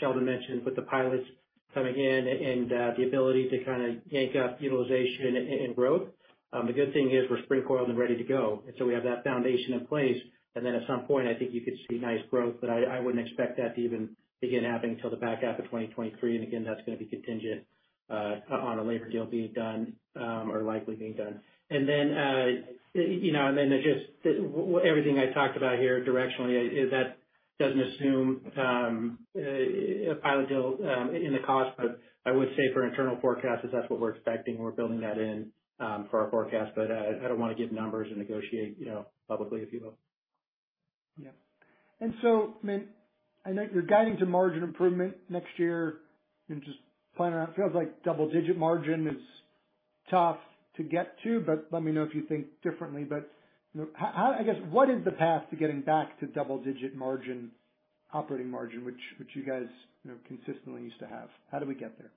Sheldon mentioned with the pilots coming in and the ability to kinda yank up utilization and growth. The good thing is we're spring-coiled and ready to go. We have that foundation in place. At some point, I think you could see nice growth, but I wouldn't expect that to even begin happening until the back half of 2023. Again, that's gonna be contingent on a labor deal being done, or likely being done. You know, and then just everything I talked about here directionally, that doesn't assume a pilot deal in the cost, but I would say for internal forecasts, that's what we're expecting. We're building that in for our forecast. I don't wanna give numbers and negotiate, you know, publicly if you will. Yeah. I mean, I know you're guiding to margin improvement next year and just planning on... It feels like double-digit margin is tough to get to, but let me know if you think differently. You know, how... I guess, what is the path to getting back to double-digit margin, operating margin, which you guys, you know, consistently used to have? How do we get there?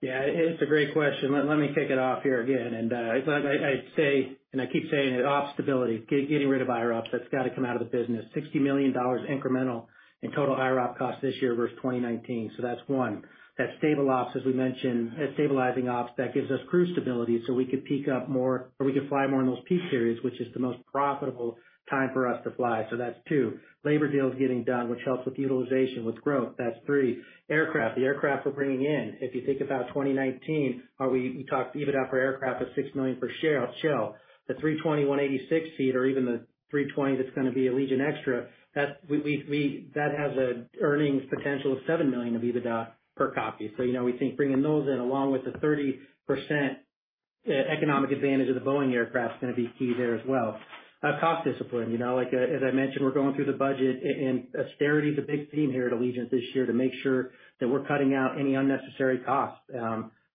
Yeah, it's a great question. Let me kick it off here again. As I say, and I keep saying it, ops stability. Getting rid of IROP. That's gotta come out of the business. $60 million incremental in total IROP costs this year versus 2019, so that's one. That stable ops, as we mentioned, stabilizing ops, that gives us crew stability, so we could peak up more or we could fly more in those peak periods, which is the most profitable time for us to fly, so that's two. Labor deals getting done, which helps with utilization, with growth, that's three. Aircraft, the aircraft we're bringing in. If you think about 2019, you talked EBITDA for aircraft was $6 million per share, shell. The 321 86-seat or even the 320 that's gonna be Allegiant Extra, that has an earnings potential of $7 million of EBITDA per copy. You know, we think bringing those in along with the 30%, economic advantage of the Boeing aircraft is gonna be key there as well. Cost discipline. You know, like, as I mentioned, we're going through the budget, and austerity is a big theme here at Allegiant this year to make sure that we're cutting out any unnecessary costs,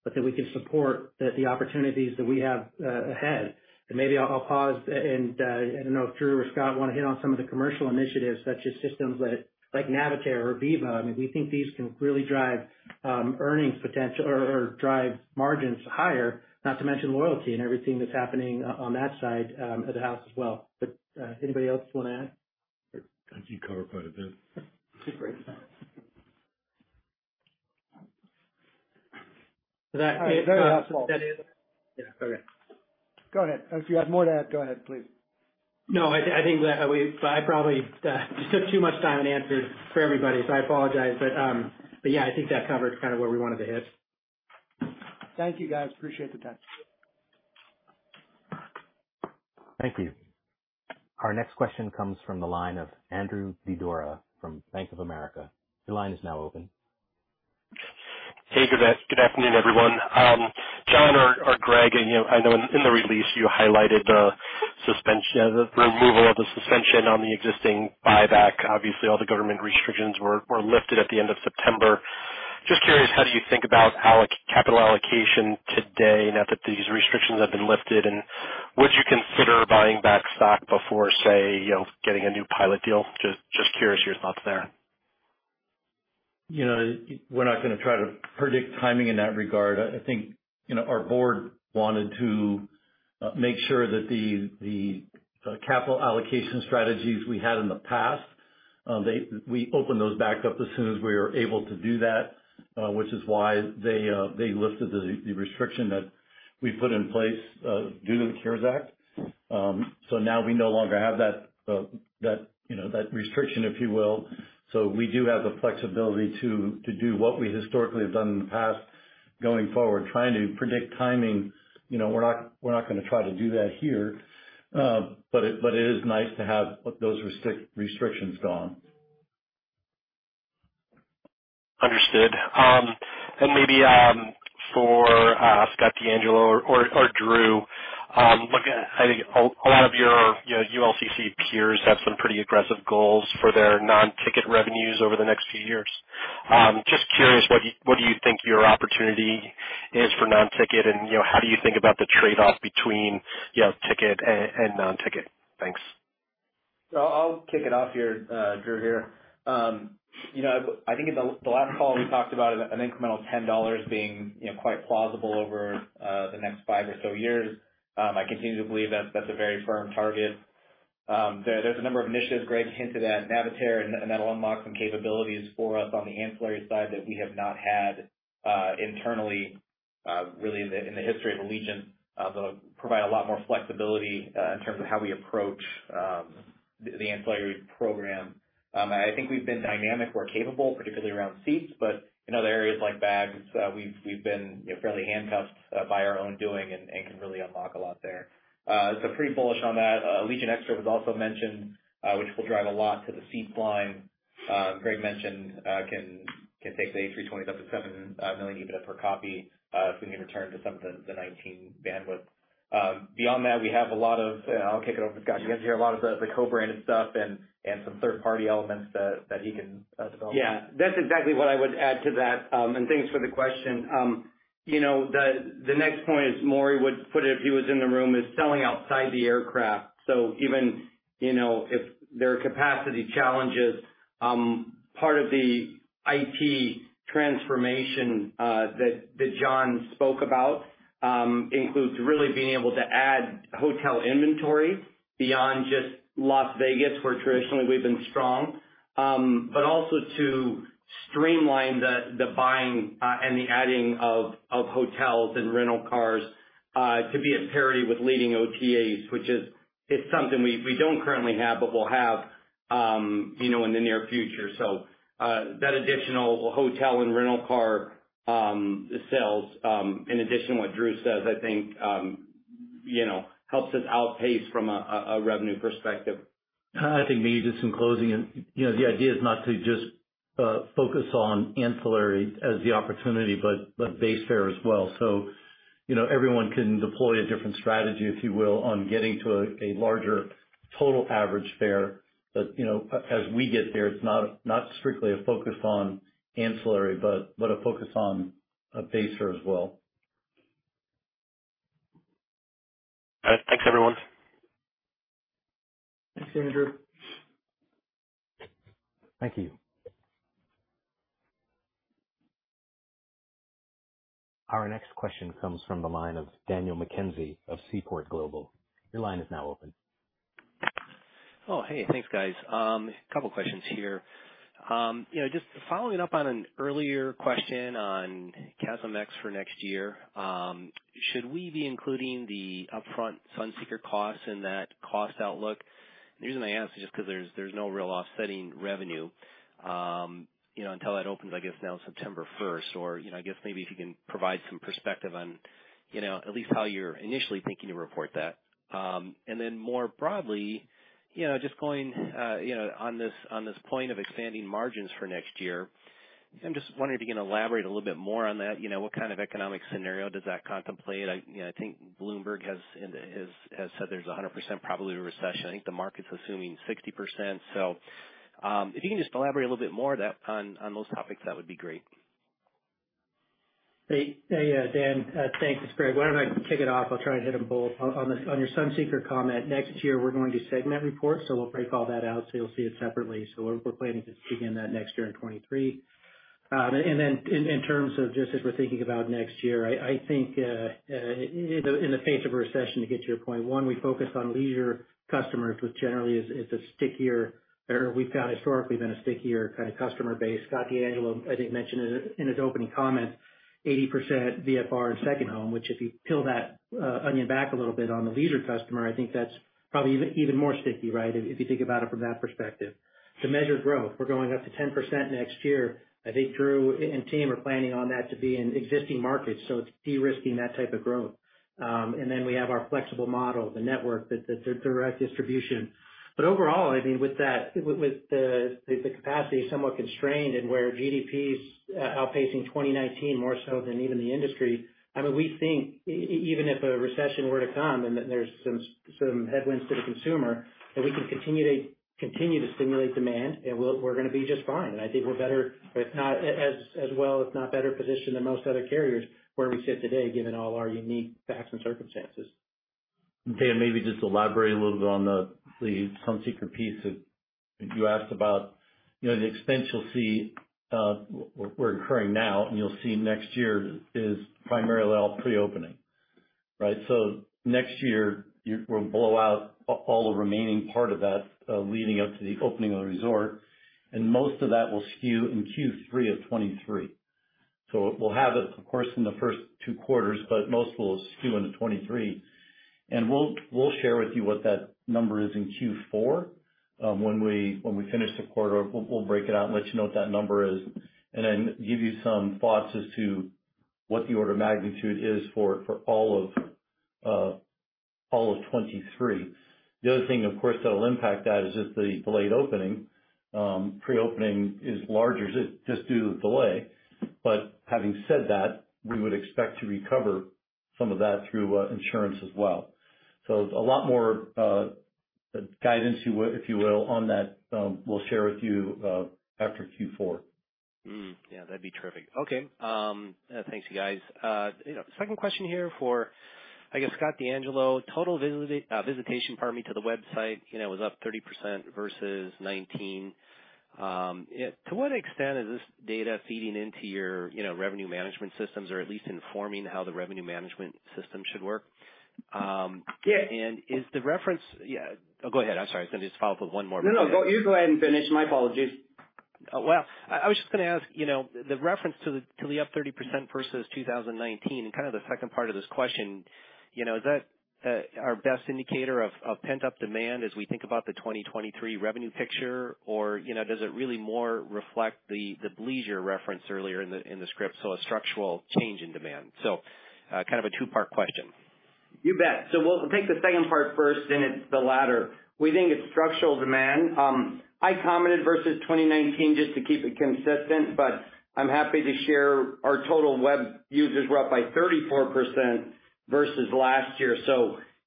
but that we can support the opportunities that we have ahead. Maybe I'll pause and I don't know if Drew or Scott wanna hit on some of the commercial initiatives such as systems like Navitaire or Viva. I mean, we think these can really drive earnings potential or drive margins higher, not to mention loyalty and everything that's happening on that side of the house as well. Anybody else wanna add? I think you covered quite a bit. Great. Yeah. Okay. Go ahead. If you have more to add, go ahead, please. No, I think I probably took too much time and answered for everybody, so I apologize. Yeah, I think that covered kind of where we wanted to hit. Thank you, guys. Appreciate the time. Thank you. Our next question comes from the line of Andrew Didora from Bank of America. Your line is now open. Hey, good afternoon, everyone. John or Greg, you know, I know in the release you highlighted the removal of the suspension on the existing buyback. Obviously, all the government restrictions were lifted at the end of September. Just curious, how do you think about capital allocation today now that these restrictions have been lifted? Would you consider buying back stock before, say, you know, getting a new pilot deal? Just curious your thoughts there. You know, we're not gonna try to predict timing in that regard. I think, you know, our board wanted to make sure that the capital allocation strategies we had in the past we open those back up as soon as we are able to do that, which is why they lifted the restriction that we put in place due to the CARES Act. Now we no longer have that restriction, if you will. We do have the flexibility to do what we historically have done in the past going forward. Trying to predict timing, you know, we're not gonna try to do that here. It is nice to have those restrictions gone. Understood. Maybe for Scott DeAngelo or Drew, I think a lot of your, you know, ULCC peers have some pretty aggressive goals for their non-ticket revenues over the next few years. Just curious, what do you think your opportunity is for non-ticket? You know, how do you think about the trade-off between, you know, ticket and non-ticket? Thanks. I'll kick it off here, Drew here. You know, I think at the last call we talked about an incremental $10 being, you know, quite plausible over the next five or so years. I continue to believe that that's a very firm target. There's a number of initiatives Greg hinted at, Navitaire, and that'll unlock some capabilities for us on the ancillary side that we have not had internally, really in the history of Allegiant. That'll provide a lot more flexibility in terms of how we approach the ancillary program. I think we've been dynamic. We're capable, particularly around seats, but in other areas like bags, we've been, you know, fairly handcuffed by our own doing and can really unlock a lot there. Pretty bullish on that. Allegiant Extra was also mentioned, which will drive a lot to the seats line. Greg mentioned can take the A320s up to seven million EBITDA per copy, if we can return to some of the 2019 bandwidth. Beyond that, we have a lot of. I'll kick it over to Scott. He's got here a lot of the co-branded stuff and some third-party elements that he can develop. Yeah, that's exactly what I would add to that. Thanks for the question. You know, the next point, as Maury would put it if he was in the room, is selling outside the aircraft. Even, you know, if there are capacity challenges, part of the IT transformation that John spoke about includes really being able to add hotel inventory beyond just Las Vegas, where traditionally we've been strong, but also to streamline the buying and the adding of hotels and rental cars to be at parity with leading OTAs, which is something we don't currently have but will have, you know, in the near future. That additional hotel and rental car sales, in addition to what Drew says, I think, you know, helps us outpace from a revenue perspective. I think maybe just in closing and, you know, the idea is not to just, focus on ancillary as the opportunity, but base fare as well. You know, everyone can deploy a different strategy, if you will, on getting to a larger total average fare. You know, as we get there, it's not strictly a focus on ancillary, but a focus on base fare as well. All right. Thanks, everyone. Thanks, Andrew. Thank you. Our next question comes from the line of Daniel McKenzie of Seaport Global. Your line is now open. Hey. Thanks, guys. A couple questions here. You know, just following up on an earlier question on CASM ex for next year, should we be including the upfront Sunseeker costs in that cost outlook? The reason I ask is just 'cause there's no real offsetting revenue, you know, until that opens, I guess, now September first. Or, you know, I guess maybe if you can provide some perspective on, you know, at least how you're initially thinking to report that. And then more broadly, you know, just going, you know, on this point of expanding margins for next year, I'm just wondering if you can elaborate a little bit more on that. You know, what kind of economic scenario does that contemplate? You know, I think Bloomberg has said there's a 100% probability of a recession. I think the market's assuming 60%. If you can just elaborate a little bit more on those topics, that would be great. Hey, hey, Dan. Thanks. Greg, why don't I kick it off? I'll try to hit them both. On your Sunseeker comment, next year we're going to segment reports, so we'll break all that out so you'll see it separately. We're planning to begin that next year in 2023. In terms of just as we're thinking about next year, I think in the face of a recession, to get to your point, one, we focus on leisure customers, which generally is a stickier or we've got historically been a stickier kind of customer base. Scott DeAngelo, I think, mentioned it in his opening comment, 80% VFR and second home, which if you peel that onion back a little bit on the leisure customer, I think that's probably even more sticky, right? If you think about it from that perspective. To measure growth, we're going up to 10% next year. I think Drew and team are planning on that to be in existing markets, so it's de-risking that type of growth. We have our flexible model, the network, the direct distribution. Overall, I mean, with the capacity somewhat constrained and where GDP's outpacing 2019 more so than even the industry, I mean, we think even if a recession were to come and that there's some headwinds to the consumer, that we can continue to stimulate demand, and we're gonna be just fine. I think we're better, if not as well, if not better positioned than most other carriers where we sit today, given all our unique facts and circumstances. Dan, maybe just elaborate a little bit on the Sunseeker piece that you asked about. You know, the expense you'll see we're incurring now and you'll see next year is primarily all pre-opening, right? Next year, we'll blow out all the remaining part of that leading up to the opening of the resort, and most of that will skew in Q3 of 2023. We'll have it, of course, in the first two quarters, but most will skew into 2023. We'll share with you what that number is in Q4, when we finish the quarter. We'll break it out and let you know what that number is and then give you some thoughts as to what the order of magnitude is for all of 2023. The other thing, of course, that'll impact that is just the delayed opening. Pre-opening is larger just due to the delay. Having said that, we would expect to recover some of that through insurance as well. A lot more guidance, if you will, on that, we'll share with you after Q4. Yeah, that'd be terrific. Okay. Thank you guys. You know, second question here for, I guess, Scott DeAngelo. Total visitation, pardon me, to the website, you know, was up 30% versus 2019. To what extent is this data feeding into your, you know, revenue management systems or at least informing how the revenue management system should work? Yeah. Yeah. Oh, go ahead. I'm sorry. I was gonna just follow up with one more. No, no. You go ahead and finish. My apologies. Well, I was just gonna ask, you know, the reference to the up 30% versus 2019, and kind of the second part of this question, you know, is that our best indicator of pent-up demand as we think about the 2023 revenue picture? Or, you know, does it really more reflect the bleisure reference earlier in the script, so a structural change in demand? Kind of a two-part question. You bet. We'll take the second part first, and it's the latter. We think it's structural demand. I commented versus 2019 just to keep it consistent, but I'm happy to share our total web users were up by 34% versus last year.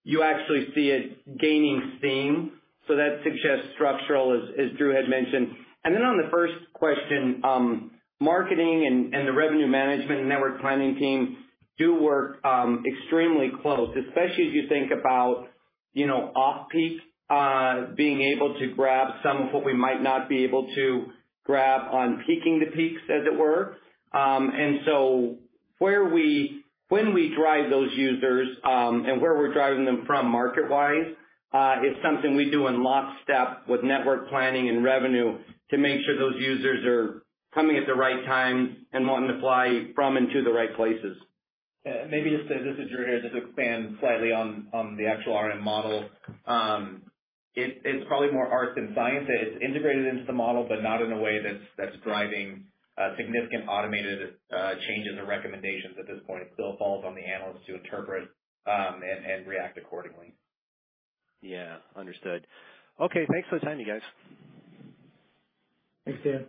You actually see it gaining steam. That suggests structural as Drew had mentioned. Then on the first question, marketing and the revenue management and network planning team do work extremely close, especially as you think about, you know, off-peak being able to grab some of what we might not be able to grab during the peaks, as it were. When we drive those users, and where we're driving them from market-wise, is something we do in lockstep with network planning and revenue to make sure those users are coming at the right time and wanting to fly from and to the right places. Yeah. Maybe just, this is Drew here, just to expand slightly on the actual RM model. It's probably more art than science. It is integrated into the model, but not in a way that's driving significant automated changes or recommendations at this point. It still falls on the analysts to interpret and react accordingly. Yeah. Understood. Okay. Thanks for the time, you guys. Thanks, Dan.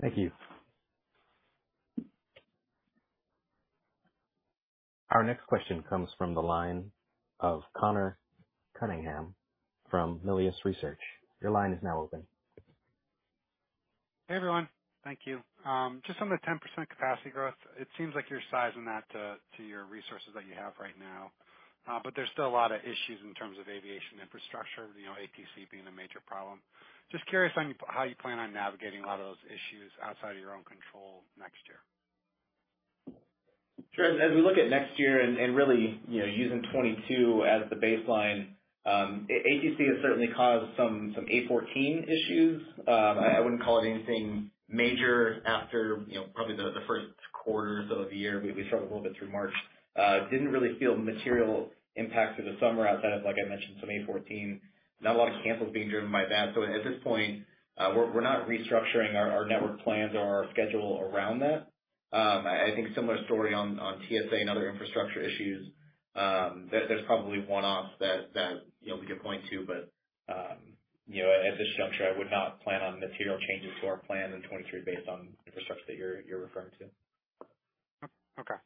Thank you. Our next question comes from the line of Conor Cunningham from Melius Research. Your line is now open. Hey, everyone. Thank you. Just on the 10% capacity growth, it seems like you're sizing that to your resources that you have right now. There's still a lot of issues in terms of aviation infrastructure, you know, ATC being the major problem. Just curious on how you plan on navigating a lot of those issues outside of your own control next year. Sure. As we look at next year and really, you know, using 2022 as the baseline, ATC has certainly caused some A14 issues. I wouldn't call it anything major after, you know, probably the first quarter or so of the year. We struggled a little bit through March. Didn't really feel material impact through the summer outside of, like I mentioned, some A14. Not a lot of cancels being driven by that. So at this point, we're not restructuring our network plans or our schedule around that. I think similar story on TSA and other infrastructure issues. There's probably one-offs that you know we could point to, but you know at this juncture I would not plan on material changes to our plan in 2023 based on infrastructure that you're referring to. Okay.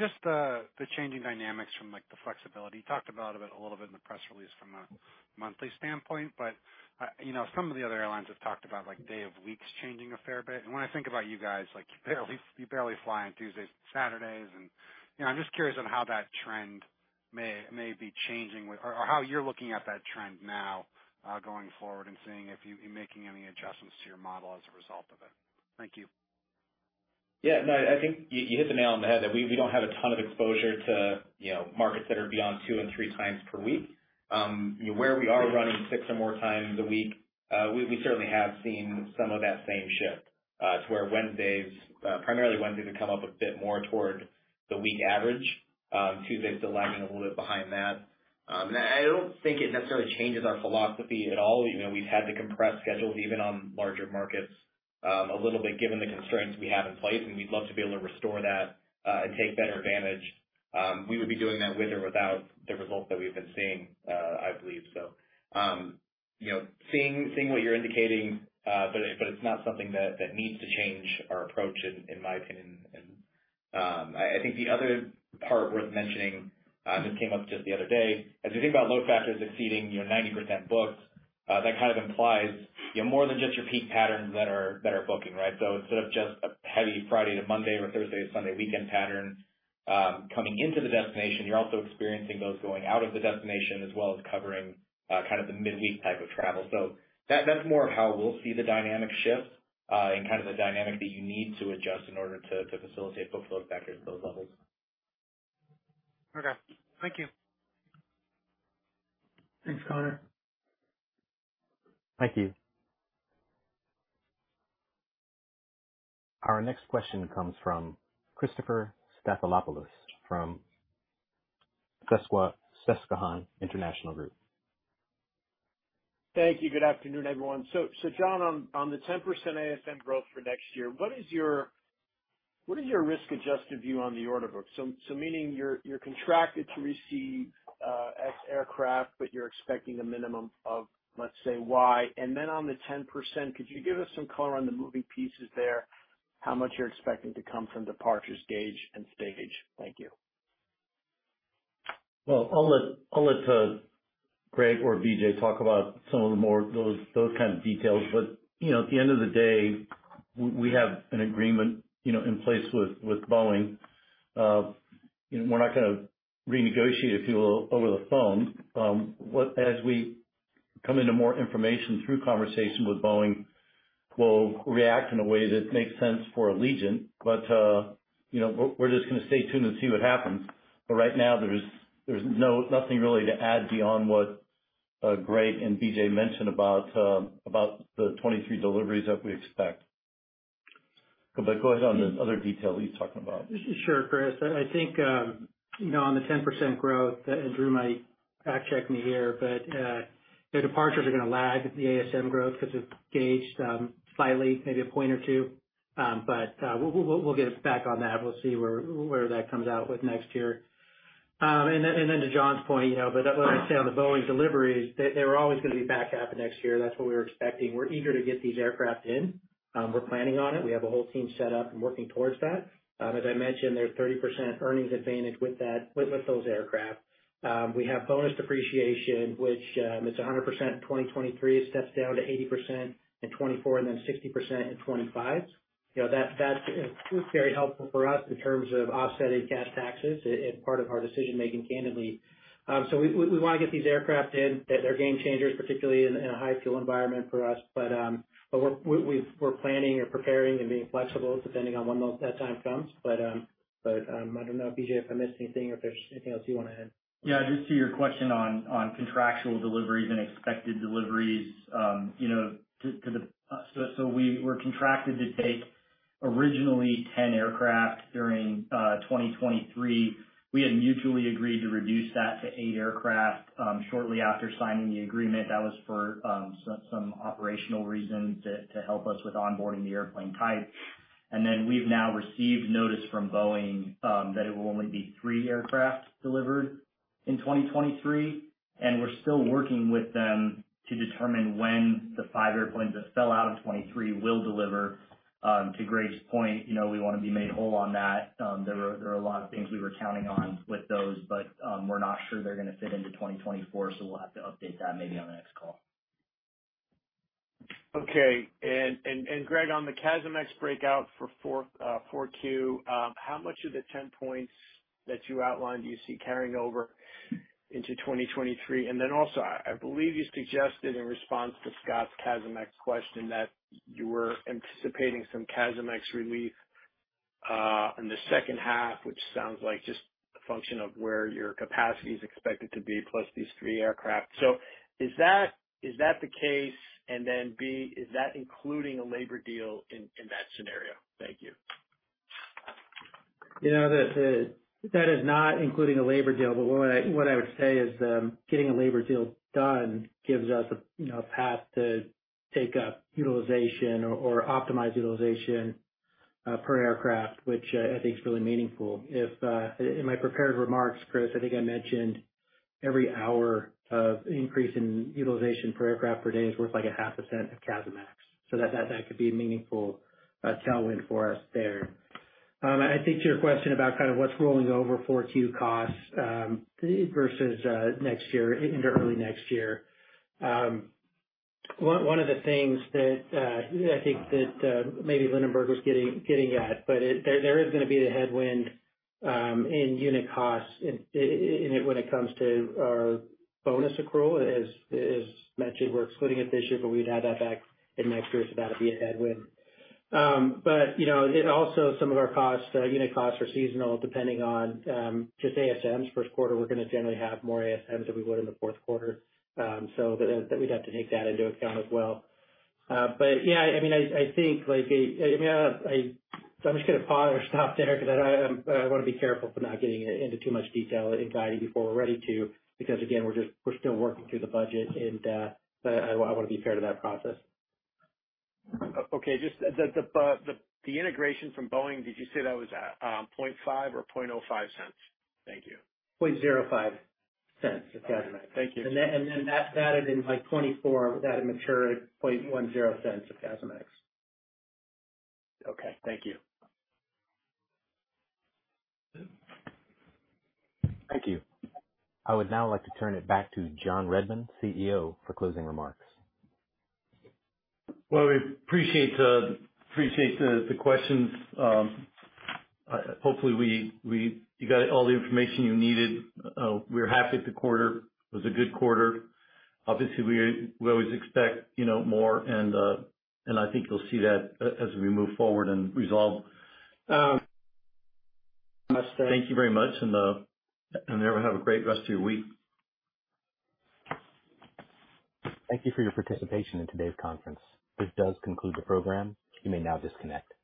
Just the changing dynamics from like the flexibility. You talked about a bit, a whole of it in the press release from a monthly standpoint, but you know, some of the other airlines have talked about like day of weeks changing a fair bit. When I think about you guys, like, you barely fly on Tuesdays and Saturdays. You know, I'm just curious on how that trend may be changing or how you're looking at that trend now, going forward and seeing if you'll be making any adjustments to your model as a result of it. Thank you. Yeah, no, I think you hit the nail on the head, that we don't have a ton of exposure to, you know, markets that are beyond two and three times per week. Where we are running six or more times a week, we certainly have seen some of that same shift to where primarily Wednesdays come up a bit more toward the week average. Tuesdays lag a little bit behind that. I don't think it necessarily changes our philosophy at all. You know, we've had to compress schedules even on larger markets a little bit given the constraints we have in place, and we'd love to be able to restore that and take better advantage. We would be doing that with or without the results that we've been seeing, I believe so. You know, seeing what you're indicating, but it's not something that needs to change our approach in my opinion. I think the other part worth mentioning, this came up just the other day. As you think about load factors exceeding your 90% books, that kind of implies you have more than just your peak patterns that are booking, right? So instead of just a heavy Friday to Monday or Thursday to Sunday weekend pattern, coming into the destination, you're also experiencing those going out of the destination as well as covering kind of the midweek type of travel. So that's more of how we'll see the dynamic shift, and kind of the dynamic that you need to adjust in order to facilitate book load factors at those levels. Okay, thank you. Thanks, Connor. Thank you. Our next question comes from Christopher Stathoulopoulos from Susquehanna International Group. Thank you. Good afternoon, everyone. John, on the 10% ASM growth for next year, what is your risk-adjusted view on the order book? Meaning you're contracted to receive X aircraft, but you're expecting a minimum of, let's say, Y. Then on the 10%, could you give us some color on the moving pieces there, how much you're expecting to come from departures, gauge, and stage? Thank you. Well, I'll let Greg or BJ talk about some of those kind of details. You know, at the end of the day, we have an agreement, you know, in place with Boeing. You know, we're not gonna renegotiate a deal over the phone. As we come into more information through conversation with Boeing, we'll react in a way that makes sense for Allegiant. You know, we're just gonna stay tuned and see what happens. Right now there's nothing really to add beyond what Greg and BJ mentioned about the 23 deliveries that we expect. Go ahead on the other detail that he's talking about. Sure, Chris. I think, you know, on the 10% growth, and Drew might fact check me here, but the departures are gonna lag the ASM growth because of gauge, slightly, maybe a point or two. We'll get back on that. We'll see where that comes out with next year. To John's point, you know, but like I say, on the Boeing deliveries, they were always gonna be back half of next year. That's what we were expecting. We're eager to get these aircraft in. We're planning on it. We have a whole team set up and working towards that. As I mentioned, there's 30% earnings advantage with that, with those aircraft. We have bonus depreciation, which it's 100% in 2023. It steps down to 80% in 2024 and then 60% in 2025. You know, that's very helpful for us in terms of offsetting cash taxes. It's part of our decision making, candidly. We wanna get these aircraft in. They're game changers, particularly in a high fuel environment for us. We're planning or preparing and being flexible depending on when that time comes. I don't know, BJ if I missed anything or if there's anything else you wanna add. Yeah, just to your question on contractual deliveries and expected deliveries, you know, to the. We were contracted to take originally 10 aircraft during 2023. We had mutually agreed to reduce that to eight aircraft shortly after signing the agreement. That was for some operational reasons to help us with onboarding the airplane type. We've now received notice from Boeing that it will only be three aircraft delivered in 2023, and we're still working with them to determine when the five airplanes that fell out of 2023 will deliver. To Greg's point, you know, we wanna be made whole on that. There were a lot of things we were counting on with those, but we're not sure they're gonna fit into 2024, so we'll have to update that maybe on the next call. Okay. Greg, on the CASM-ex breakout for 4Q, how much of the 10 points that you outlined do you see carrying over into 2023? I believe you suggested in response to Scott's CASM-ex question that you were anticipating some CASM-ex relief in the second half, which sounds like just a function of where your capacity is expected to be, plus these three aircraft. Is that the case? B, is that including a labor deal in that scenario? Thank you. You know, that is not including a labor deal, but what I would say is, getting a labor deal done gives us, you know, a path to take up utilization or optimize utilization per aircraft, which I think is really meaningful. In my prepared remarks, Chris, I think I mentioned every hour of increase in utilization per aircraft per day is worth like 0.5% of CASM-ex. So that could be a meaningful tailwind for us there. I think to your question about kind of what's rolling over for Q4 costs versus next year, into early next year. One of the things that I think maybe Linenberg was getting at, but it. There is gonna be the headwind in unit costs in it when it comes to bonus accrual. As mentioned, we're excluding it this year, but we'd add that back in next year, so that'll be a headwind. You know, it also, some of our costs, unit costs are seasonal, depending on just ASMs. First quarter, we're gonna generally have more ASMs than we would in the fourth quarter. That is, we'd have to take that into account as well. Yeah, I mean, I think like a, I mean, I. I'm just gonna pause or stop there because I wanna be careful for not getting into too much detail and guiding before we're ready to, because again, we're just still working through the budget and I wanna be fair to that process. Okay. Just the integration from Boeing, did you say that was $0.5 or $0.05? Thank you. $0.05 cents of CASM-ex. Thank you. That's added in by 24. That'll mature at $0.10 cents of CASM-ex. Okay, thank you. Thank you. I would now like to turn it back to John Redmond, CEO, for closing remarks. Well, we appreciate the questions. Hopefully you got all the information you needed. We're happy with the quarter. It was a good quarter. Obviously, we always expect, you know, more and I think you'll see that as we move forward and resolve. Thank you very much and everyone have a great rest of your week. Thank you for your participation in today's conference. This does conclude the program. You may now disconnect.